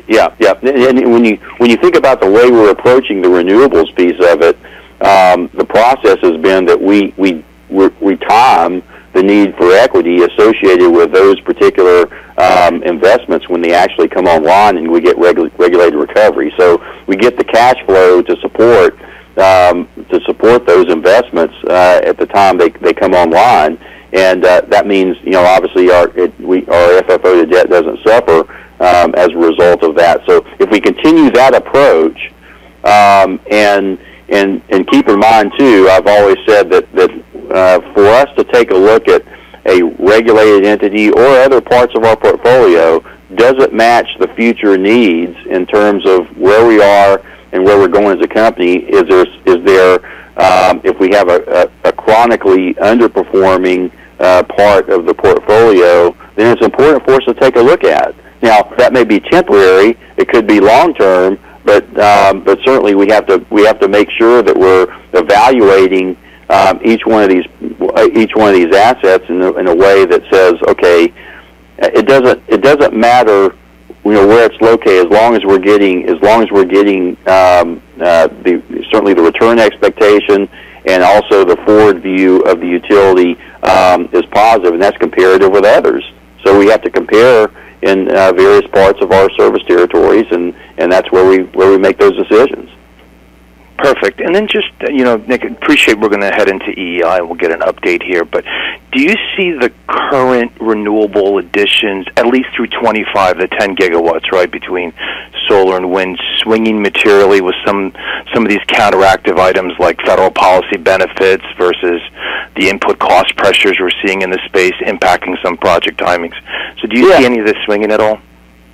Yeah. When you think about the way we're approaching the renewables piece of it, the process has been that we time the need for equity associated with those particular investments when they actually come online and we get regulated recovery. We get the cash flow to support those investments at the time they come online. That means, you know, obviously our FFO-to-debt doesn't suffer as a result of that. If we continue that approach and keep in mind, too, I've always said that for us to take a look at a regulated entity or other parts of our portfolio doesn't match the future needs in terms of where we are and where we're going as a company. If we have a chronically underperforming part of the portfolio, then it's important for us to take a look at. Now, that may be temporary, it could be long-term, but certainly we have to make sure that we're evaluating each one of these assets in a way that says, okay, it doesn't matter, you know, where it's located as long as we're getting, certainly, the return expectation and also the forward view of the utility is positive, and that's comparative with others. We have to compare in various parts of our service territories and that's where we make those decisions. Perfect. Just, you know, Nick, I appreciate we're gonna head into EEI, we'll get an update here. Do you see the current renewable additions at least through 2025, the 10 gigawatts, right, between solar and wind swinging materially with some of these counteractive items like federal policy benefits versus the input cost pressures we're seeing in this space impacting some project timings? Do you see any of this swinging at all?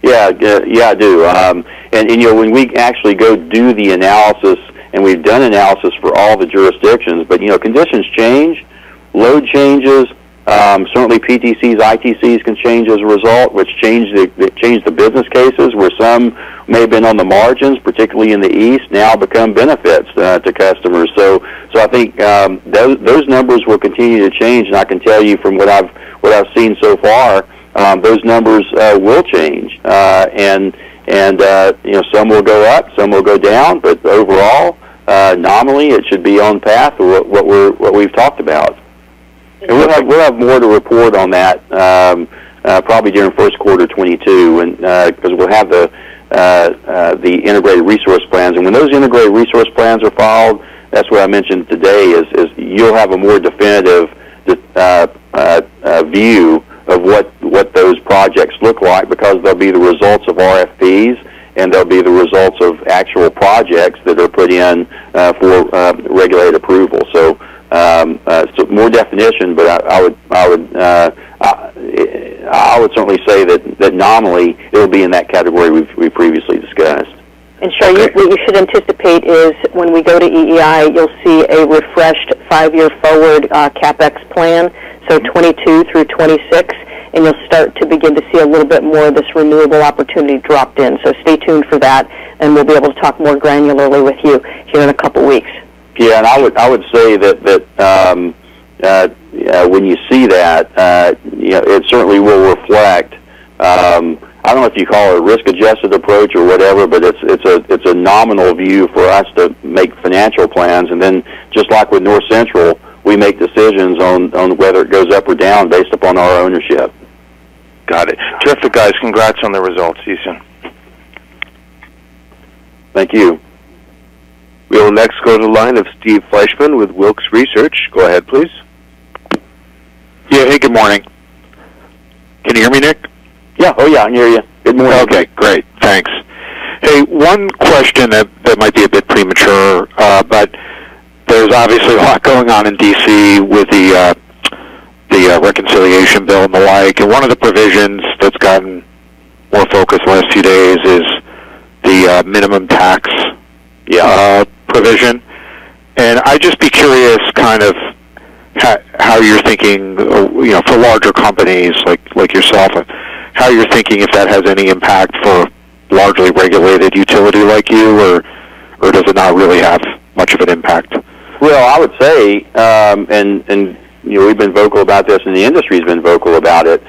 Yeah. Yeah, I do. You know, when we actually go do the analysis, and we've done analysis for all the jurisdictions, but you know, conditions change, load changes, certainly PTCs, ITCs can change as a result, which change the business cases where some may have been on the margins, particularly in the East, now become benefits to customers. I think those numbers will continue to change. I can tell you from what I've seen so far, those numbers will change. You know, some will go up, some will go down. Overall, nominally it should be on path with what we've talked about. We'll have more to report on that, probably during first quarter 2022. Because we'll have the integrated resource plans. When those integrated resource plans are filed, that's where I mentioned today is you'll have a more definitive view of what those projects look like because they'll be the results of RFPs, and they'll be the results of actual projects that are put in for regulated approval. More definition, but I would certainly say that nominally it would be in that category we previously discussed. Shar, what you should anticipate is when we go to EEI, you'll see a refreshed five-year forward CapEx plan, 2022 through 2026. You'll start to begin to see a little bit more of this renewable opportunity dropped in. Stay tuned for that, and we'll be able to talk more granularly with you here in a couple weeks. Yeah, I would say that when you see that, you know, it certainly will reflect. I don't know if you call it a risk-adjusted approach or whatever, but it's a nominal view for us to make financial plans. Then just like with North Central, we make decisions on whether it goes up or down based upon our ownership. Got it. Terrific, guys. Congrats on the results. See you soon. Thank you. We will next go to the line of Steve Fleishman with Wolfe Research. Go ahead, please. Yeah. Hey, good morning. Can you hear me, Nick? Yeah. Oh yeah, I can hear you. Good morning. Okay, great. Thanks. Hey, one question that might be a bit premature, but there's obviously a lot going on in D.C. with the reconciliation bill and the like. One of the provisions that's gotten more focus the last few days is the minimum tax- Yeah. provision. I'd just be curious kind of how you're thinking, you know, for larger companies like yourself, how you're thinking if that has any impact for largely regulated utility like you, or does it not really have much of an impact? Well, I would say, you know, we've been vocal about this and the industry's been vocal about it.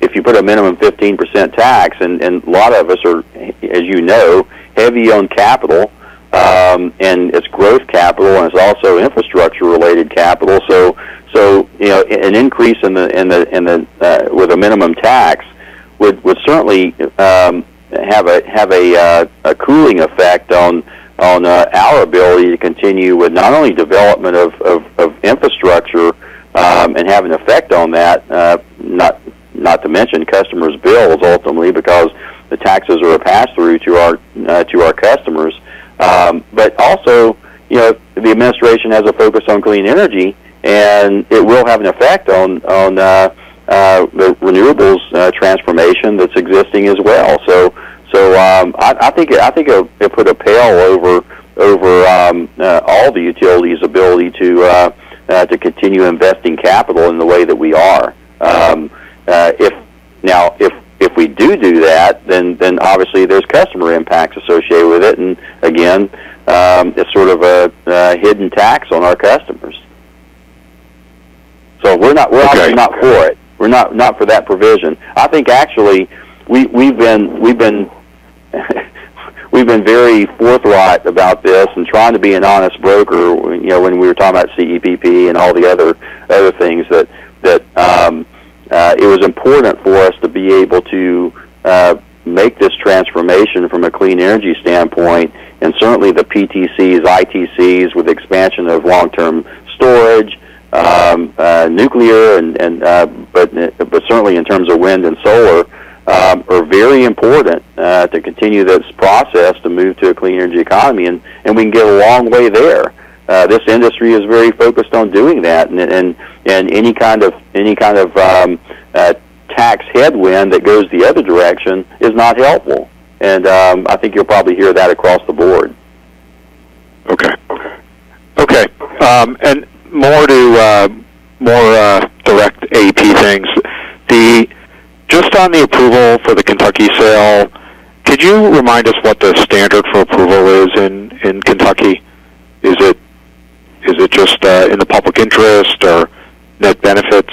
If you put a minimum 15% tax, and a lot of us are, as you know, heavy on capital, and it's growth capital and it's also infrastructure-related capital. You know, an increase with a minimum tax would certainly have a cooling effect on our ability to continue with not only development of infrastructure, and have an effect on that, not to mention customers' bills ultimately because the taxes are a pass-through to our customers. Also, you know, the administration has a focus on clean energy, and it will have an effect on the renewables transformation that's existing as well. I think it'll put a pall over all the utilities' ability to continue investing capital in the way that we are. If we do that, then obviously there's customer impacts associated with it. Again, it's sort of a hidden tax on our customers. We're not- Okay. We're obviously not for it. We're not for that provision. I think actually we've been very forthright about this and trying to be an honest broker, you know, when we were talking about CEPP and all the other things that it was important for us to be able to make this transformation from a clean energy standpoint. Certainly the PTCs, ITCs with expansion of long-term storage, nuclear and but certainly in terms of wind and solar are very important to continue this process to move to a clean energy economy. We can go a long way there. This industry is very focused on doing that. Any kind of tax headwind that goes the other direction is not helpful. I think you'll probably hear that across the board. Okay. More direct AEP things. Just on the approval for the Kentucky sale, could you remind us what the standard for approval is in Kentucky? Is it just in the public interest or net benefits?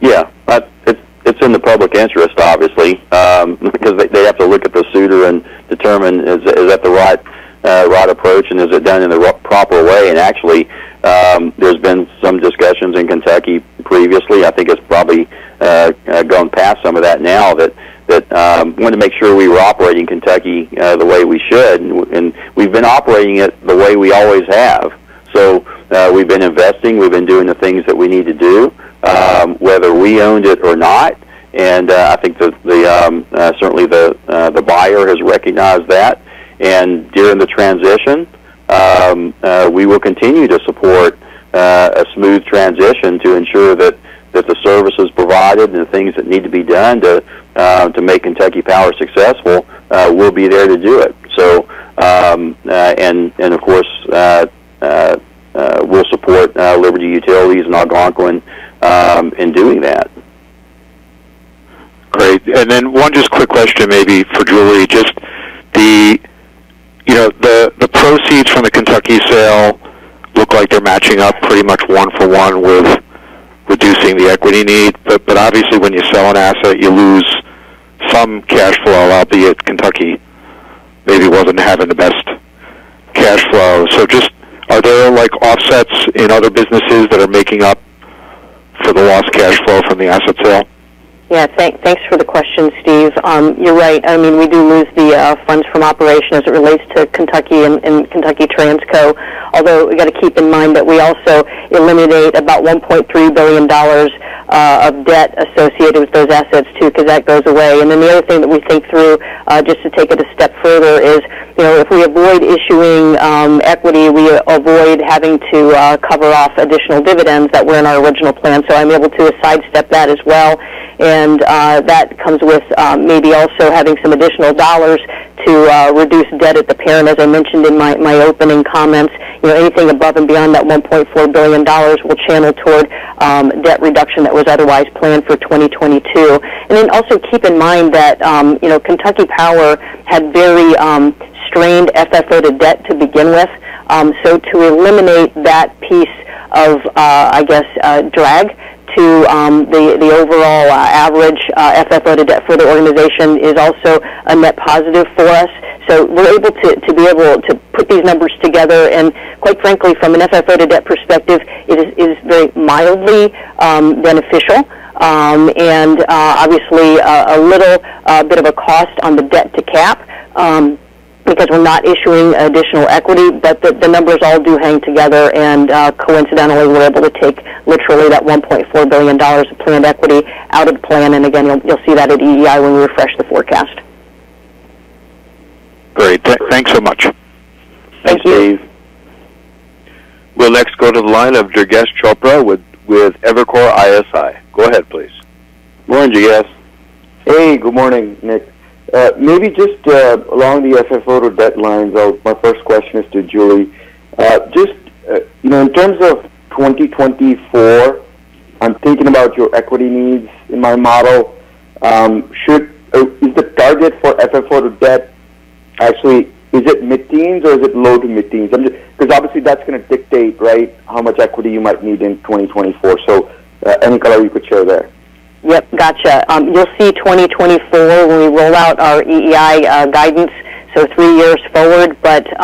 Yeah. It's in the public interest, obviously, because they have to look at the suitor and determine is that the right approach, and is it done in the proper way? Actually, there's been some discussions in Kentucky previously. I think it's probably gone past some of that now that wanna make sure we were operating Kentucky the way we should. We've been operating it the way we always have. We've been investing, we've been doing the things that we need to do, whether we owned it or not. I think certainly the buyer has recognized that. During the transition, we will continue to support a smooth transition to ensure that the services provided and the things that need to be done to make Kentucky Power successful, we'll be there to do it. Of course, we'll support Liberty Utilities and Algonquin in doing that. Great. Then one just quick question maybe for Julie. Just the, you know, the proceeds from the Kentucky sale look like they're matching up pretty much one-for-one with reducing the equity need. But obviously, when you sell an asset, you lose some cash flow, albeit Kentucky maybe wasn't having the best cash flow. So just are there, like, offsets in other businesses that are making up for the lost cash flow from the asset sale? Yeah. Thanks for the question, Steve. You're right. I mean, we do lose the funds from operations as it relates to Kentucky and Kentucky Transco. Although we gotta keep in mind that we also eliminate about $1.3 billion of debt associated with those assets too because that goes away. The other thing that we think through, just to take it a step further, is if we avoid issuing equity, we avoid having to cover off additional dividends that were in our original plan. I'm able to sidestep that as well. That comes with maybe also having some additional dollars to reduce debt at the parent, as I mentioned in my opening comments. You know, anything above and beyond that $1.4 billion will channel toward debt reduction that was otherwise planned for 2022. Also keep in mind that, you know, Kentucky Power had very strained FFO-to-debt to begin with. To eliminate that piece of, I guess, drag to the overall average FFO-to-debt for the organization is also a net positive for us. We're able to put these numbers together. Quite frankly, from an FFO-to-debt perspective, it is very mildly beneficial. Obviously, a little bit of a cost on the debt-to-cap because we're not issuing additional equity. The numbers all do hang together. Coincidentally, we're able to take literally that $1.4 billion of planned equity out of the plan. Again, you'll see that at EEI when we refresh the forecast. Great. Thanks so much. Thank you. Thanks, Steve. We'll next go to the line of Durgesh Chopra with Evercore ISI. Go ahead, please. Morning, Durgesh. Hey, good morning, Nick. Maybe just along the FFO-to-debt lines, my first question is to Julie. Just, you know, in terms of 2024, I'm thinking about your equity needs in my model. Or is the target for FFO-to-debt actually, is it mid-teens or is it low to mid-teens? I'm just 'cause obviously that's gonna dictate, right, how much equity you might need in 2024. Any color you could share there. Yep, gotcha. You'll see 2024 when we roll out our EEI guidance, so three years forward.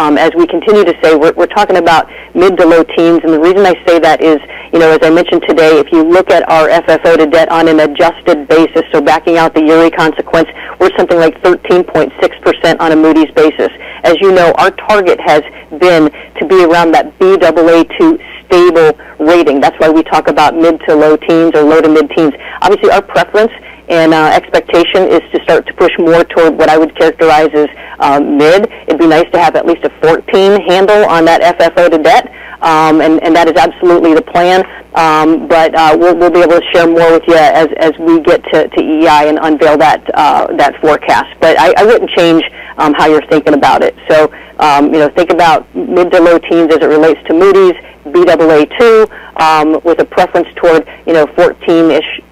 As we continue to say, we're talking about mid- to low-teens. The reason I say that is, you know, as I mentioned today, if you look at our FFO-to-debt on an adjusted basis, so backing out the Uri consequence, we're something like 13.6% on a Moody's basis. As you know, our target has been to be around that Baa2 stable rating. That's why we talk about mid- to low-teens or low- to mid-teens. Obviously, our preference and expectation is to start to push more toward what I would characterize as mid. It'd be nice to have at least a 14 handle on that FFO-to-debt. And that is absolutely the plan. We'll be able to share more with you as we get to EEI and unveil that forecast. I wouldn't change how you're thinking about it. You know, think about mid- to low teens as it relates to Moody's Baa2, with a preference toward, you know, 14-ish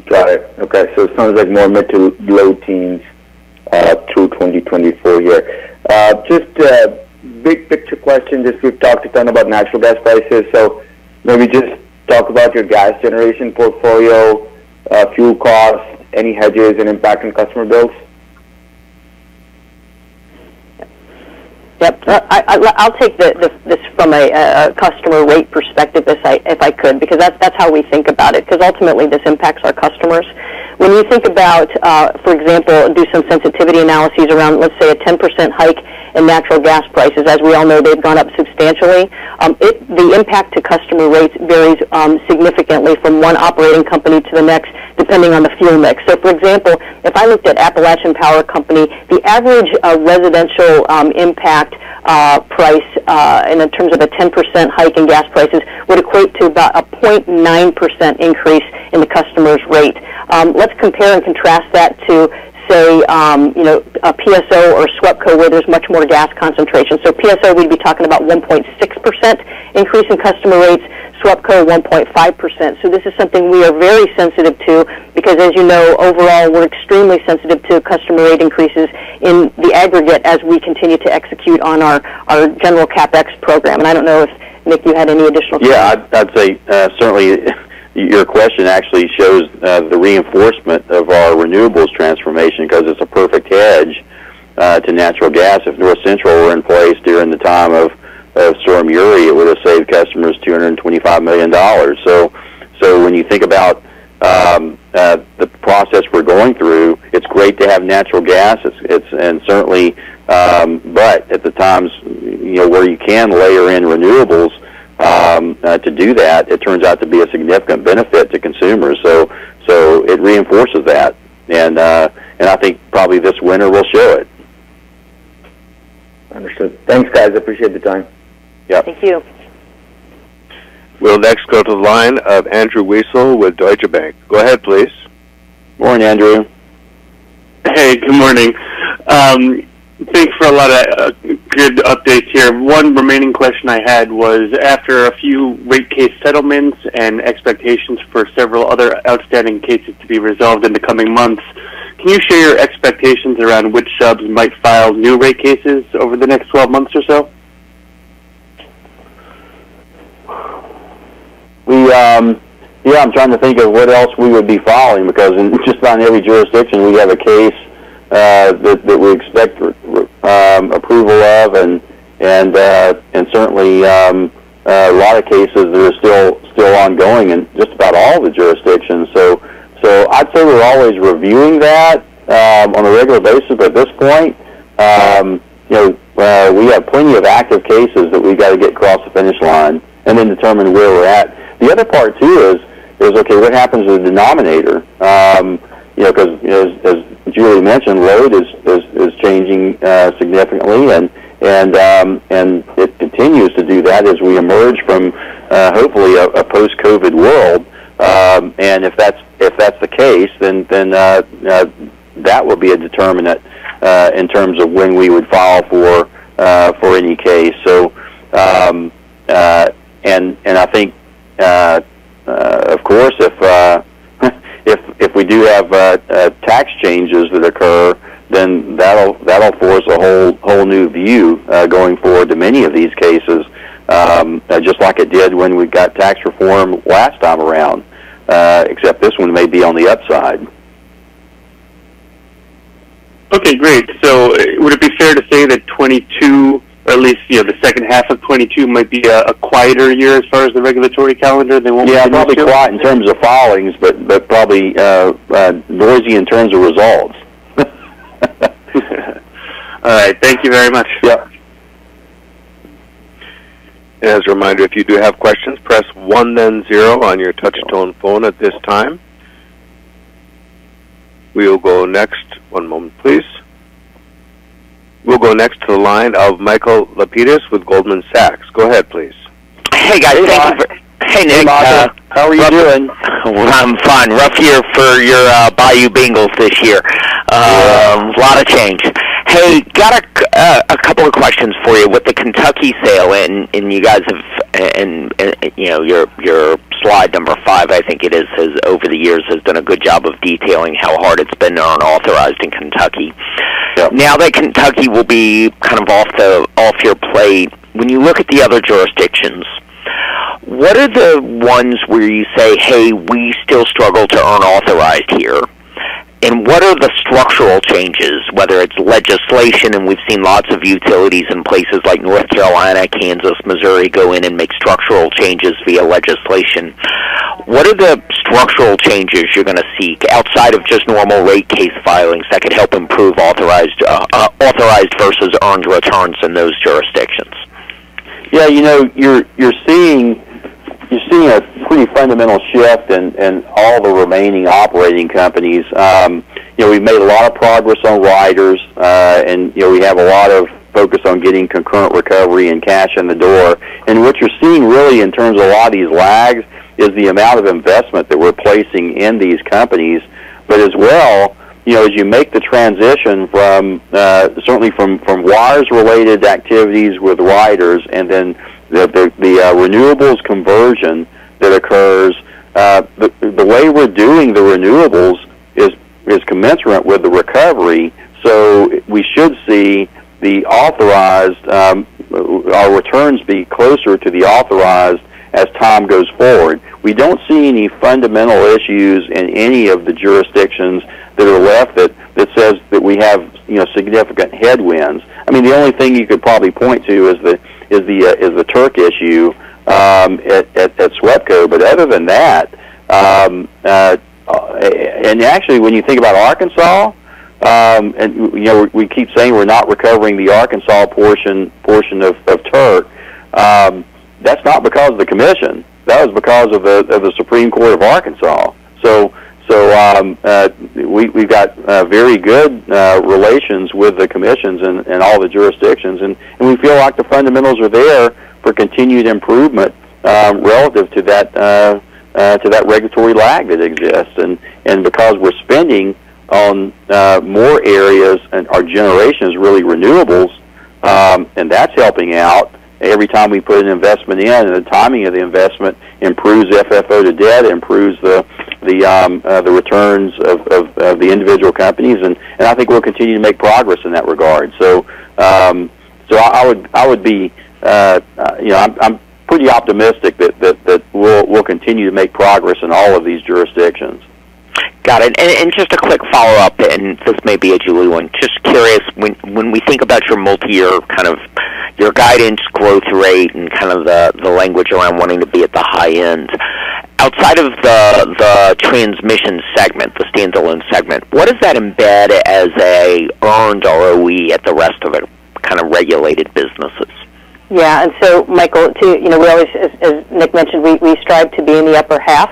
+%. It sounds like mid- to low-teens% through 2024 year. Just a big-picture question, we've talked a ton about natural gas prices. Maybe just talk about your gas generation portfolio, fuel costs, any hedges and impact on customer bills. Yep. I'll take this from a customer rate perspective if I could, because that's how we think about it, because ultimately this impacts our customers. When we think about, for example, doing some sensitivity analyses around, let's say, a 10% hike in natural gas prices. As we all know, they've gone up substantially. The impact to customer rates varies significantly from one operating company to the next. Depending on the fuel mix. For example, if I looked at Appalachian Power Company, the average residential impact price in terms of a 10% hike in gas prices would equate to about a 0.9% increase in the customer's rate. Let's compare and contrast that to, say, you know, a PSO or SWEPCO, where there's much more gas concentration. PSO, we'd be talking about 1.6% increase in customer rates, SWEPCO, 1.5%. This is something we are very sensitive to because, as you know, overall, we're extremely sensitive to customer rate increases in the aggregate as we continue to execute on our general CapEx program. I don't know if, Nick, you had any additional- Yeah, I'd say certainly your question actually shows the reinforcement of our renewables transformation because it's a perfect hedge to natural gas. If North Central were in place during the time of Storm Uri, it would have saved customers $225 million. When you think about the process we're going through, it's great to have natural gas. It's certainly but at the times, you know, where you can layer in renewables to do that, it turns out to be a significant benefit to consumers. It reinforces that. I think probably this winter will show it. Understood. Thanks, guys. I appreciate the time. Yeah. Thank you. We'll next go to the line of Andrew Weisel with Deutsche Bank. Go ahead, please. Morning, Andrew. Hey, good morning. Thanks for a lot of good updates here. One remaining question I had was, after a few rate case settlements and expectations for several other outstanding cases to be resolved in the coming months, can you share your expectations around which subs might file new rate cases over the next 12 months or so? Yeah, I'm trying to think of what else we would be filing because just in every jurisdiction, we have a case that we expect approval of. Certainly, a lot of cases are still ongoing in just about all the jurisdictions. I'd say we're always reviewing that on a regular basis at this point. You know, we have plenty of active cases that we've got to get across the finish line and then determine where we're at. The other part, too, is okay, what happens with denominator? You know, 'cause, you know, as Julie mentioned, load is changing significantly. It continues to do that as we emerge from hopefully a post-COVID world. If that's the case, then that will be a determinant in terms of when we would file for any case. I think of course, if we do have tax changes that occur, then that'll force a whole new view going forward to many of these cases, just like it did when we got tax reform last time around. Except this one may be on the upside. Okay, great. Would it be fair to say that 2022, at least, you know, the second half of 2022 might be a quieter year as far as the regulatory calendar? There won't be too much. Yeah, probably quiet in terms of filings, but probably noisy in terms of results. All right. Thank you very much. Yeah. As a reminder, if you do have questions, press 1 then 0 on your touch tone phone at this time. We will go next. One moment please. We'll go next to the line of Michael Lapides with Goldman Sachs. Go ahead, please. Hey, guys. Thank you for Hey, Mike. Hey, Nick. How are you doing? I'm fine. Rough year for your Bayou Bengals this year. A lot of change. Hey, got a couple of questions for you. With the Kentucky sale, you guys have your slide number five, I think it is, has over the years done a good job of detailing how hard it's been to operate in Kentucky. Yep. Now that Kentucky will be kind of off your plate, when you look at the other jurisdictions, what are the ones where you say, "Hey, we still struggle to earn authorized here"? What are the structural changes, whether it's legislation, and we've seen lots of utilities in places like North Carolina, Kansas, Missouri go in and make structural changes via legislation. What are the structural changes you're going to seek outside of just normal rate case filings that could help improve authorized versus earned returns in those jurisdictions? Yeah, you know, you're seeing a pretty fundamental shift in all the remaining operating companies. You know, we've made a lot of progress on riders. You know, we have a lot of focus on getting concurrent recovery and cash in the door. What you're seeing really in terms of a lot of these lags is the amount of investment that we're placing in these companies. As well, you know, as you make the transition from certainly from wires-related activities with riders and then the renewables conversion that occurs, the way we're doing the renewables is commensurate with the recovery. We should see the authorized our returns be closer to the authorized as time goes forward. We don't see any fundamental issues in any of the jurisdictions that are left that says that we have you know significant headwinds. I mean, the only thing you could probably point to is the Turk issue at SWEPCO. Other than that, and actually, when you think about Arkansas, and you know, we keep saying we're not recovering the Arkansas portion of Turk. That's not because of the commission, that was because of the Supreme Court of Arkansas. We've got very good relations with the commissions and all the jurisdictions, and we feel like the fundamentals are there for continued improvement relative to that regulatory lag that exists. Because we're spending on more areas and our generation is really renewables, and that's helping out every time we put an investment in. The timing of the investment improves FFO-to-debt, improves the returns of the individual companies. I think we'll continue to make progress in that regard. I would be, you know, I'm pretty optimistic that we'll continue to make progress in all of these jurisdictions. Got it. Just a quick follow-up, and this may be a Julie one. Just curious, when we think about your multi-year kind of your guidance growth rate and kind of the language around wanting to be at the high end. Outside of the transmission segment, the standalone segment, what does that embed as a earned ROE at the rest of it, kind of regulated businesses? Yeah. Michael, you know, we always, as Nick mentioned, we strive to be in the upper half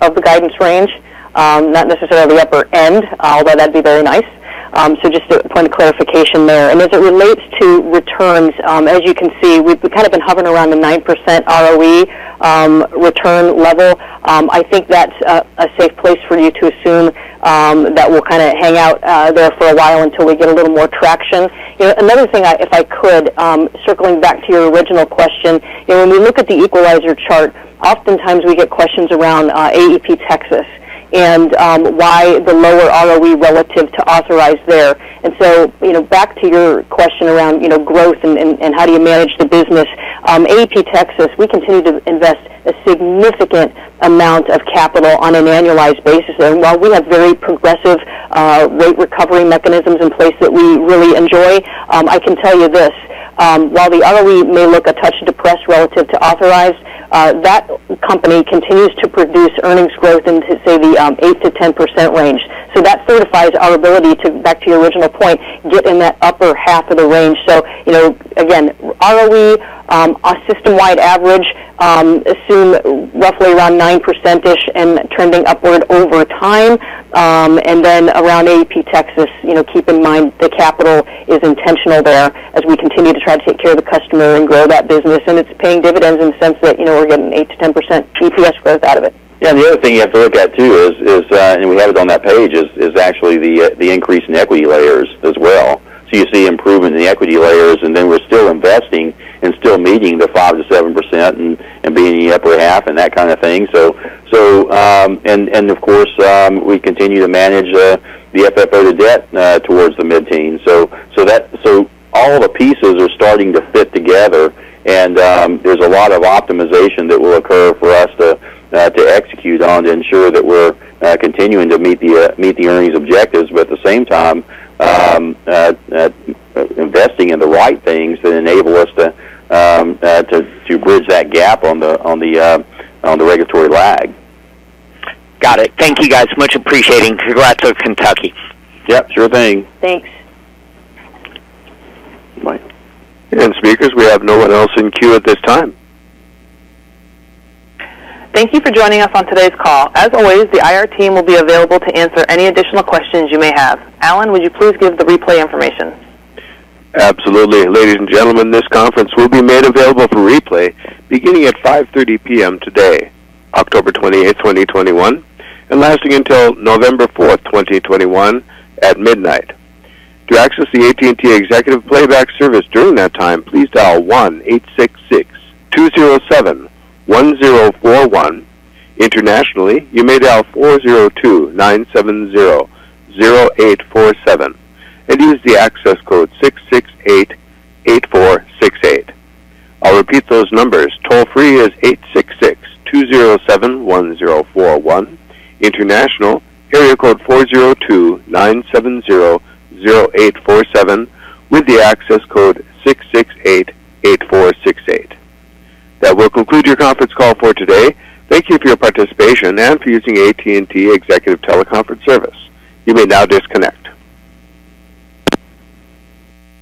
of the guidance range, not necessarily the upper end, although that'd be very nice. Just a point of clarification there. As it relates to returns, as you can see, we've kind of been hovering around the 9% ROE return level. I think that's a safe place for you to assume that we'll kinda hang out there for a while until we get a little more traction. You know, another thing if I could, circling back to your original question. You know, when we look at the equalizer chart, oftentimes we get questions around AEP Texas and why the lower ROE relative to authorized there. You know, back to your question around, you know, growth and how do you manage the business. AEP Texas, we continue to invest a significant amount of capital on an annualized basis there. While we have very progressive rate recovery mechanisms in place that we really enjoy, I can tell you this. While the ROE may look a touch depressed relative to authorized, that company continues to produce earnings growth in, to say, the 8%-10% range. That solidifies our ability to, back to your original point, get in that upper half of the range. You know, again, ROE our system-wide average, assume roughly around 9% ish and trending upward over time. Around AEP Texas, you know, keep in mind the capital is intentional there as we continue to try to take care of the customer and grow that business. It's paying dividends in the sense that, you know, we're getting 8%-10% EPS growth out of it. Yeah. The other thing you have to look at too is, and we have it on that page, is actually the increase in equity layers as well. You see improvement in the equity layers, and then we're still investing and still meeting the 5%-7% and being in the upper half and that kind of thing. Of course, we continue to manage the FFO-to-debt towards the mid-teens. All the pieces are starting to fit together, and there's a lot of optimization that will occur for us to execute on to ensure that we're continuing to meet the earnings objectives. Investing in the right things that enable us to bridge that gap on the regulatory lag. Got it. Thank you, guys. Much appreciated. Congrats with Kentucky. Yep, sure thing. Thanks. Bye. Speakers, we have no one else in queue at this time. Thank you for joining us on today's call. As always, the IR team will be available to answer any additional questions you may have. Alan, would you please give the replay information? Absolutely. Ladies and gentlemen, this conference will be made available through replay beginning at 5:30 P.M. today, October 28, 2021, and lasting until November 4, 2021 at midnight. To access the AT&T Executive Playback Service during that time, please dial 1-866-207-1041. Internationally, you may dial 402-970-0847 and use the access code 6688468. I'll repeat those numbers. Toll free is 866-207-1041. International, area code 402-970-0847 with the access code 6688468. That will conclude your conference call for today. Thank you for your participation and for using AT&T Executive Teleconference Service. You may now disconnect.